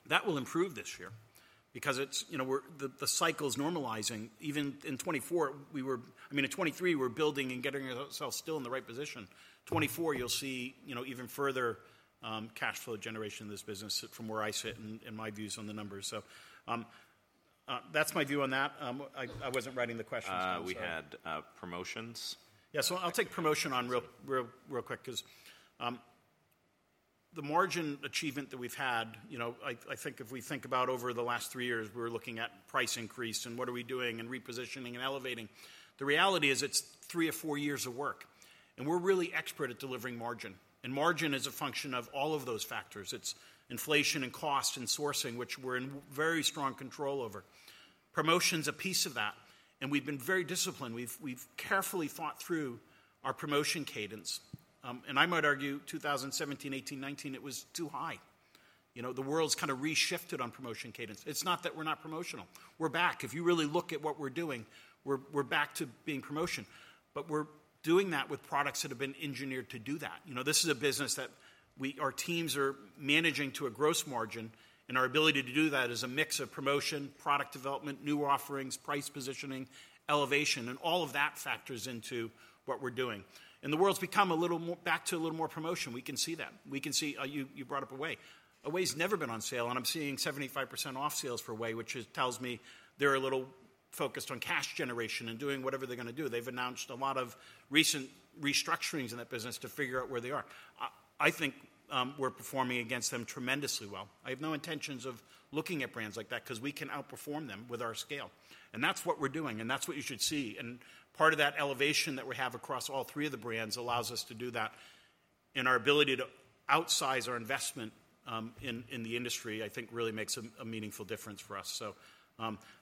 That will improve this year because it's, you know, we're the cycle's normalizing. Even in 2024, we were, I mean, in 2023, we were building and getting ourselves still in the right position. 2024, you'll see, you know, even further cash flow generation in this business from where I sit and my views on the numbers. So that's my view on that. I wasn't writing the questions for you. - We had promotions. - Yeah. So I'll take promotion on real, real, real quick 'cause the margin achievement that we've had, you know, I think if we think about over the last three years, we were looking at price increase and what are we doing and repositioning and elevating. The reality is it's three or four years of work. And we're really expert at delivering margin. And margin is a function of all of those factors. It's inflation and cost and sourcing, which we're in very strong control over. Promotion's a piece of that. And we've been very disciplined. We've carefully thought through our promotion cadence. And I might argue 2017, 2018, 2019, it was too high. You know, the world's kind of reshifted on promotion cadence. It's not that we're not promotional. We're back. If you really look at what we're doing, we're back to being promotional. But we're doing that with products that have been engineered to do that. You know, this is a business that we, our teams are managing to a gross margin. And our ability to do that is a mix of promotion, product development, new offerings, price positioning, elevation. And all of that factors into what we're doing. And the world's become a little more back to a little more promotion. We can see that. We can see you brought up Away. Away's never been on sale. I'm seeing 75% off sales for Away, which tells me they're a little focused on cash generation and doing whatever they're gonna do. They've announced a lot of recent restructurings in that business to figure out where they are. I think we're performing against them tremendously well. I have no intentions of looking at brands like that 'cause we can outperform them with our scale. And that's what we're doing. And that's what you should see. And part of that elevation that we have across all three of the brands allows us to do that. And our ability to outsize our investment in the industry, I think, really makes a meaningful difference for us.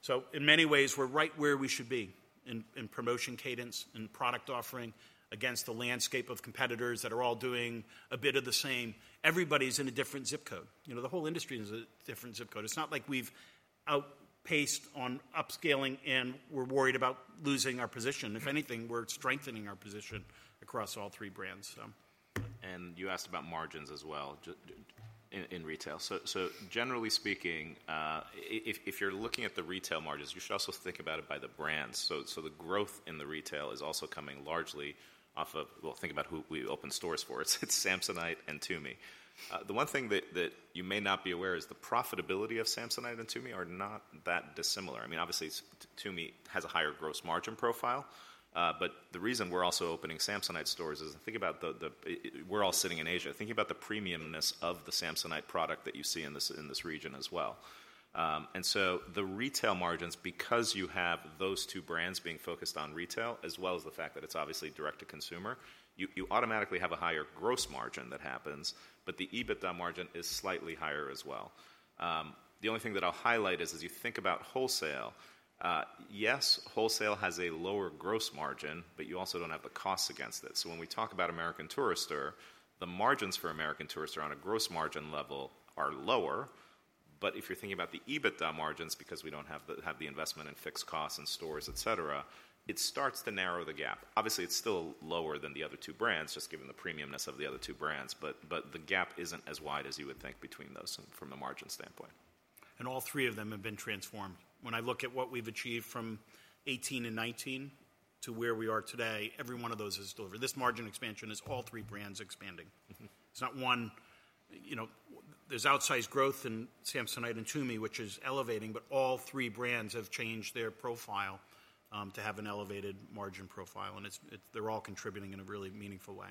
So in many ways, we're right where we should be in promotion cadence and product offering against the landscape of competitors that are all doing a bit of the same. Everybody's in a different zip code. You know, the whole industry is a different zip code. It's not like we've outpaced on upscaling and we're worried about losing our position. If anything, we're strengthening our position across all three brands, so. And you asked about margins as well just in retail. So generally speaking, if you're looking at the retail margins, you should also think about it by the brands. So the growth in the retail is also coming largely off of, well, think about who we open stores for. It's Samsonite and TUMI. The one thing that you may not be aware is the profitability of Samsonite and TUMI are not that dissimilar. I mean, obviously, TUMI has a higher gross margin profile. But the reason we're also opening Samsonite stores is think about the, we're all sitting in Asia. Think about the premiumness of the Samsonite product that you see in this region as well. So the retail margins, because you have those two brands being focused on retail as well as the fact that it's obviously direct to consumer, you automatically have a higher gross margin that happens. But the EBITDA margin is slightly higher as well. The only thing that I'll highlight is as you think about wholesale, yes, wholesale has a lower gross margin. But you also don't have the costs against it. So when we talk about American Tourister, the margins for American Tourister on a gross margin level are lower. But if you're thinking about the EBITDA margins because we don't have the investment in fixed costs and stores, et cetera, it starts to narrow the gap. Obviously, it's still lower than the other two brands just given the premiumness of the other two brands. But the gap isn't as wide as you would think between those from a margin standpoint. And all three of them have been transformed. When I look at what we've achieved from 2018 and 2019 to where we are today, every one of those has delivered. This margin expansion is all three brands expanding. It's not one, you know, there's outsized growth in Samsonite and TUMI, which is elevating. But all three brands have changed their profile to have an elevated margin profile. And they're all contributing in a really meaningful way.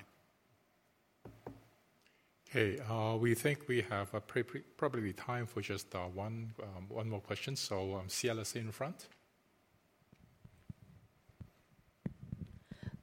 Okay. We think we have probably time for just one more question. So CLSA in front.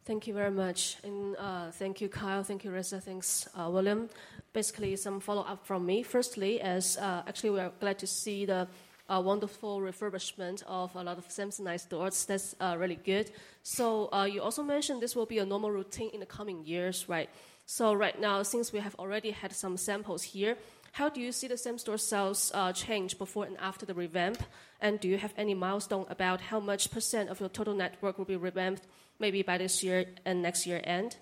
Thank you very much. And thank you, Kyle. Thank you, Reza. Thanks, William. Basically, some follow up from me. Firstly, actually we are glad to see the wonderful refurbishment of a lot of Samsonite stores. That's really good. So you also mentioned this will be a normal routine in the coming years, right? So right now, since we have already had some samples here, how do you see the same store sales change before and after the revamp? And do you have any milestone about how much % of your total network will be revamped maybe by this year and next year end?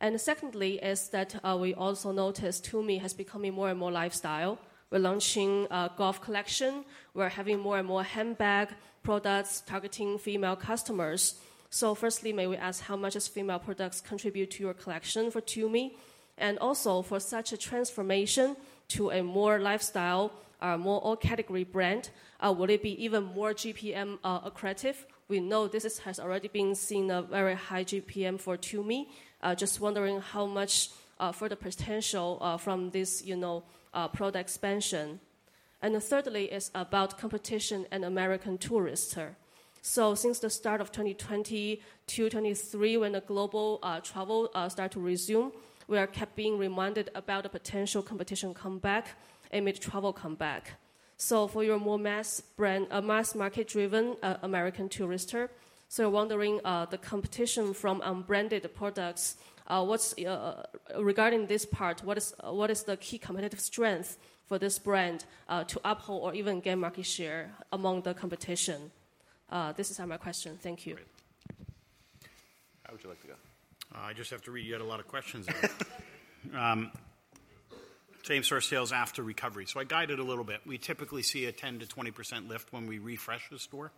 And secondly is that we also noticed TUMI has becoming more and more lifestyle. We're launching a golf collection. We're having more and more handbag products targeting female customers. So firstly, may we ask how much as female products contribute to your collection for TUMI? And also for such a transformation to a more lifestyle, more all category brand, will it be even more GPM accretive? We know this has already been seeing a very high GPM for TUMI. Just wondering how much further potential from this, you know, product expansion. And thirdly is about competition and American Tourister. So since the start of 2022, 2023, when the global travel started to resume, we are kept being reminded about the potential competition comeback and mid-travel comeback. So for your more mass brand, mass market driven American Tourister, so wondering the competition from unbranded products, what's regarding this part, what is the key competitive strength for this brand to uphold or even gain market share among the competition? This is my question. Thank you. - Great. How would you like to go? - I just have to read, you had a lot of questions about it. Same store sales after recovery. So I guided a little bit. We typically see a 10%-20% lift when we refresh the store.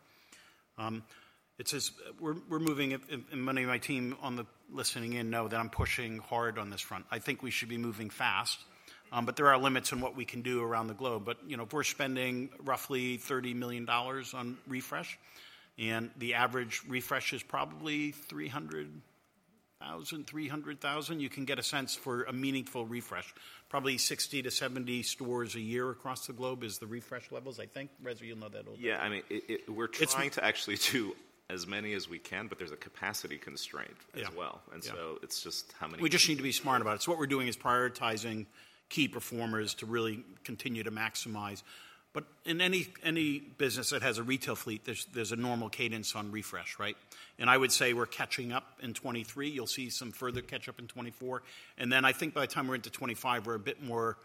It says we're moving, and many of my team on the listening in know that I'm pushing hard on this front. I think we should be moving fast. But there are limits in what we can do around the globe. But, you know, if we're spending roughly $30 million on refresh and the average refresh is probably $300,000, $300,000, you can get a sense for a meaningful refresh. Probably 60-70 stores a year across the globe is the refresh levels. I think, Reza, you'll know that a little bit. - Yeah. I mean, we're trying to actually do as many as we can. But there's a capacity constraint as well. So it's just how many. We just need to be smart about it. So what we're doing is prioritizing key performers to really continue to maximize. But in any business that has a retail fleet, there's a normal cadence on refresh, right? And I would say we're catching up in 2023. You'll see some further catch up in 2024. And then I think by the time we're into 2025, we're a bit more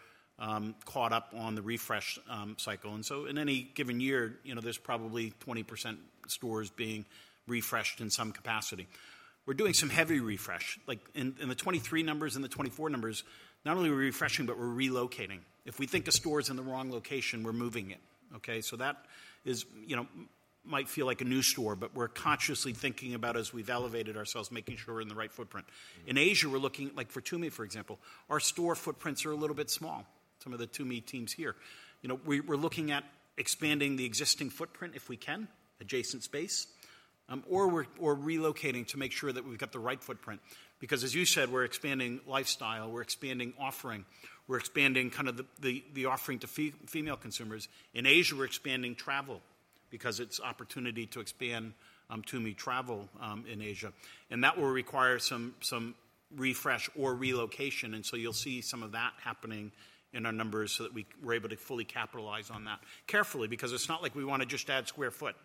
caught up on the refresh cycle. And so in any given year, you know, there's probably 20% stores being refreshed in some capacity. We're doing some heavy refresh. Like in the 2023 numbers and the 2024 numbers, not only are we refreshing, but we're relocating. If we think a store's in the wrong location, we're moving it, okay? So that is, you know, might feel like a new store. But we're consciously thinking about as we've elevated ourselves, making sure we're in the right footprint. In Asia, we're looking like for TUMI, for example, our store footprints are a little bit small. Some of the TUMI teams here, you know, we're looking at expanding the existing footprint if we can, adjacent space. Or we're relocating to make sure that we've got the right footprint. Because as you said, we're expanding lifestyle. We're expanding offering. We're expanding kind of the offering to female consumers. In Asia, we're expanding travel because it's opportunity to expand TUMI travel in Asia. And that will require some refresh or relocation. And so you'll see some of that happening in our numbers so that we're able to fully capitalize on that carefully. Because it's not like we wanna just add square foot.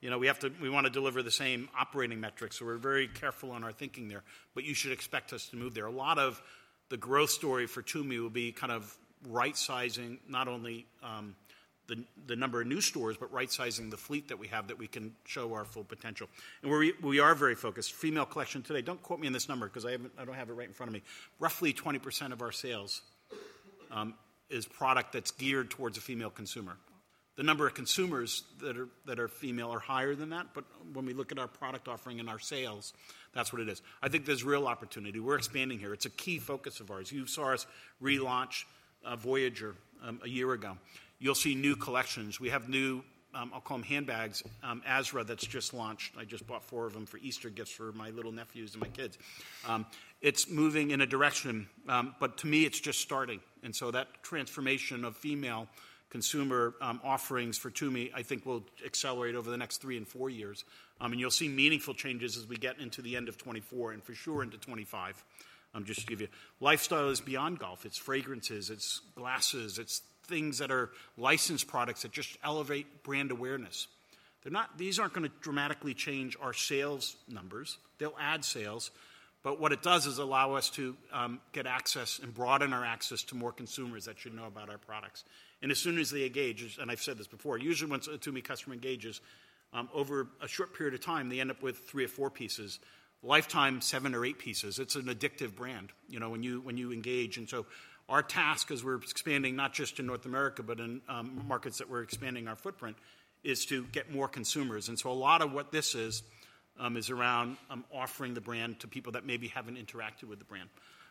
You know, we have to, we wanna deliver the same operating metrics. So we're very careful on our thinking there. But you should expect us to move there. A lot of the growth story for TUMI will be kind of right sizing, not only the number of new stores, but right sizing the fleet that we have that we can show our full potential. And we are very focused. Female collection today, don't quote me on this number 'cause I don't have it right in front of me. Roughly 20% of our sales is product that's geared towards a female consumer. The number of consumers that are female are higher than that. But when we look at our product offering and our sales, that's what it is. I think there's real opportunity. We're expanding here. It's a key focus of ours. You saw us relaunch Voyageur a year ago. You'll see new collections. We have new, I'll call them handbags, Asra, that's just launched. I just bought four of them for Easter gifts for my little nephews and my kids. It's moving in a direction. But to me, it's just starting. And so that transformation of female consumer offerings for TUMI, I think, will accelerate over the next three and four years. And you'll see meaningful changes as we get into the end of 2024 and for sure into 2025, just to give you. Lifestyle is beyond golf. It's fragrances. It's glasses. It's things that are licensed products that just elevate brand awareness. They're not, these aren't gonna dramatically change our sales numbers. They'll add sales. But what it does is allow us to get access and broaden our access to more consumers that should know about our products. As soon as they engage, and I've said this before, usually once a TUMI customer engages, over a short period of time, they end up with three or four pieces, lifetime seven or eight pieces. It's an addictive brand, you know, when you engage. And so our task as we're expanding not just in North America, but in markets that we're expanding our footprint is to get more consumers. And so a lot of what this is, is around offering the brand to people that maybe haven't interacted with the brand.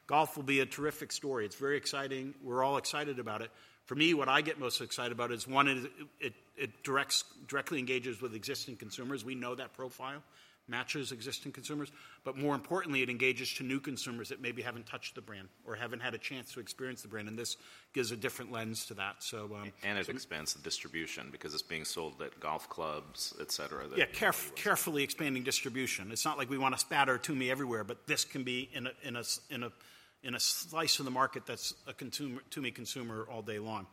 Golf will be a terrific story. It's very exciting. We're all excited about it. For me, what I get most excited about is one, it directly engages with existing consumers. We know that profile matches existing consumers. But more importantly, it engages to new consumers that maybe haven't touched the brand or haven't had a chance to experience the brand. This gives a different lens to that, so. And at expense of distribution because it's being sold at golf clubs, et cetera. Yeah. Carefully expanding distribution. It's not like we wanna spatter TUMI everywhere. But this can be in a slice of the market that's a TUMI consumer all day long.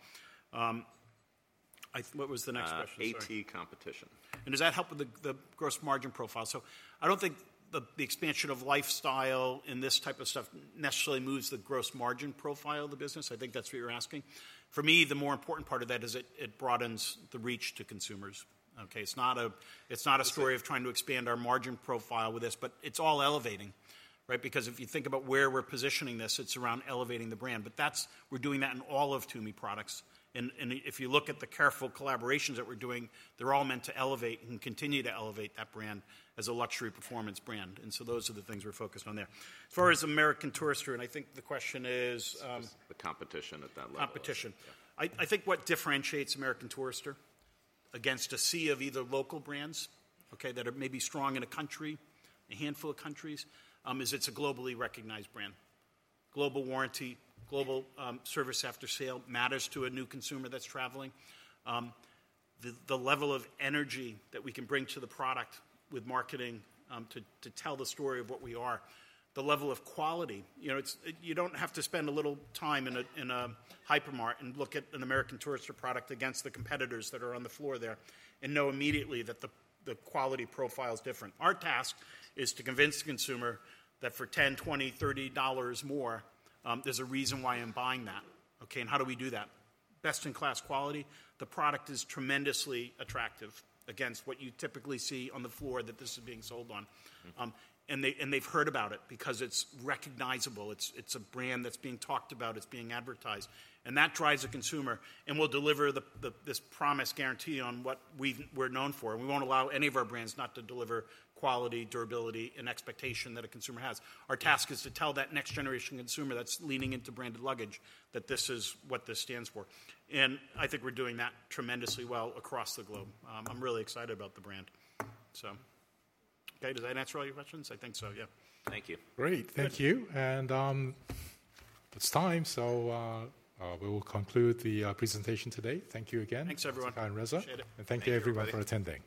What was the next question? Sorry. AT competition. And does that help with the gross margin profile? So I don't think the expansion of lifestyle in this type of stuff necessarily moves the gross margin profile of the business. I think that's what you're asking. For me, the more important part of that is it broadens the reach to consumers, okay? It's not a story of trying to expand our margin profile with this. But it's all elevating, right? Because if you think about where we're positioning this, it's around elevating the brand. But that's, we're doing that in all of TUMI products. And if you look at the careful collaborations that we're doing, they're all meant to elevate and continue to elevate that brand as a luxury performance brand. And so those are the things we're focused on there. As far as American Tourister, and I think the question is - It's the competition at that level. - Competition. I think what differentiates American Tourister against a sea of either local brands, okay, that are maybe strong in a country, a handful of countries, is it's a globally recognized brand. Global warranty, global service after sale matters to a new consumer that's traveling. The level of energy that we can bring to the product with marketing to tell the story of what we are, the level of quality, you know, it's, you don't have to spend a little time in a hypermarket and look at an American Tourister product against the competitors that are on the floor there and know immediately that the quality profile's different. Our task is to convince the consumer that for $10, $20, $30 more, there's a reason why I'm buying that, okay? And how do we do that? Best in class quality. The product is tremendously attractive against what you typically see on the floor that this is being sold on. And they've heard about it because it's recognizable. It's a brand that's being talked about. It's being advertised. And that drives a consumer. And we'll deliver this promise guarantee on what we're known for. We won't allow any of our brands not to deliver quality, durability, and expectation that a consumer has. Our task is to tell that next generation consumer that's leaning into branded luggage that this is what this stands for. I think we're doing that tremendously well across the globe. I'm really excited about the brand, so, okay? Does that answer all your questions? I think so. Yeah. Thank you. Great. Thank you. It's time. We will conclude the presentation today. Thank you again, Kyle and Reza. Thanks, everyone. Appreciate it. Thank you, everyone, for attending.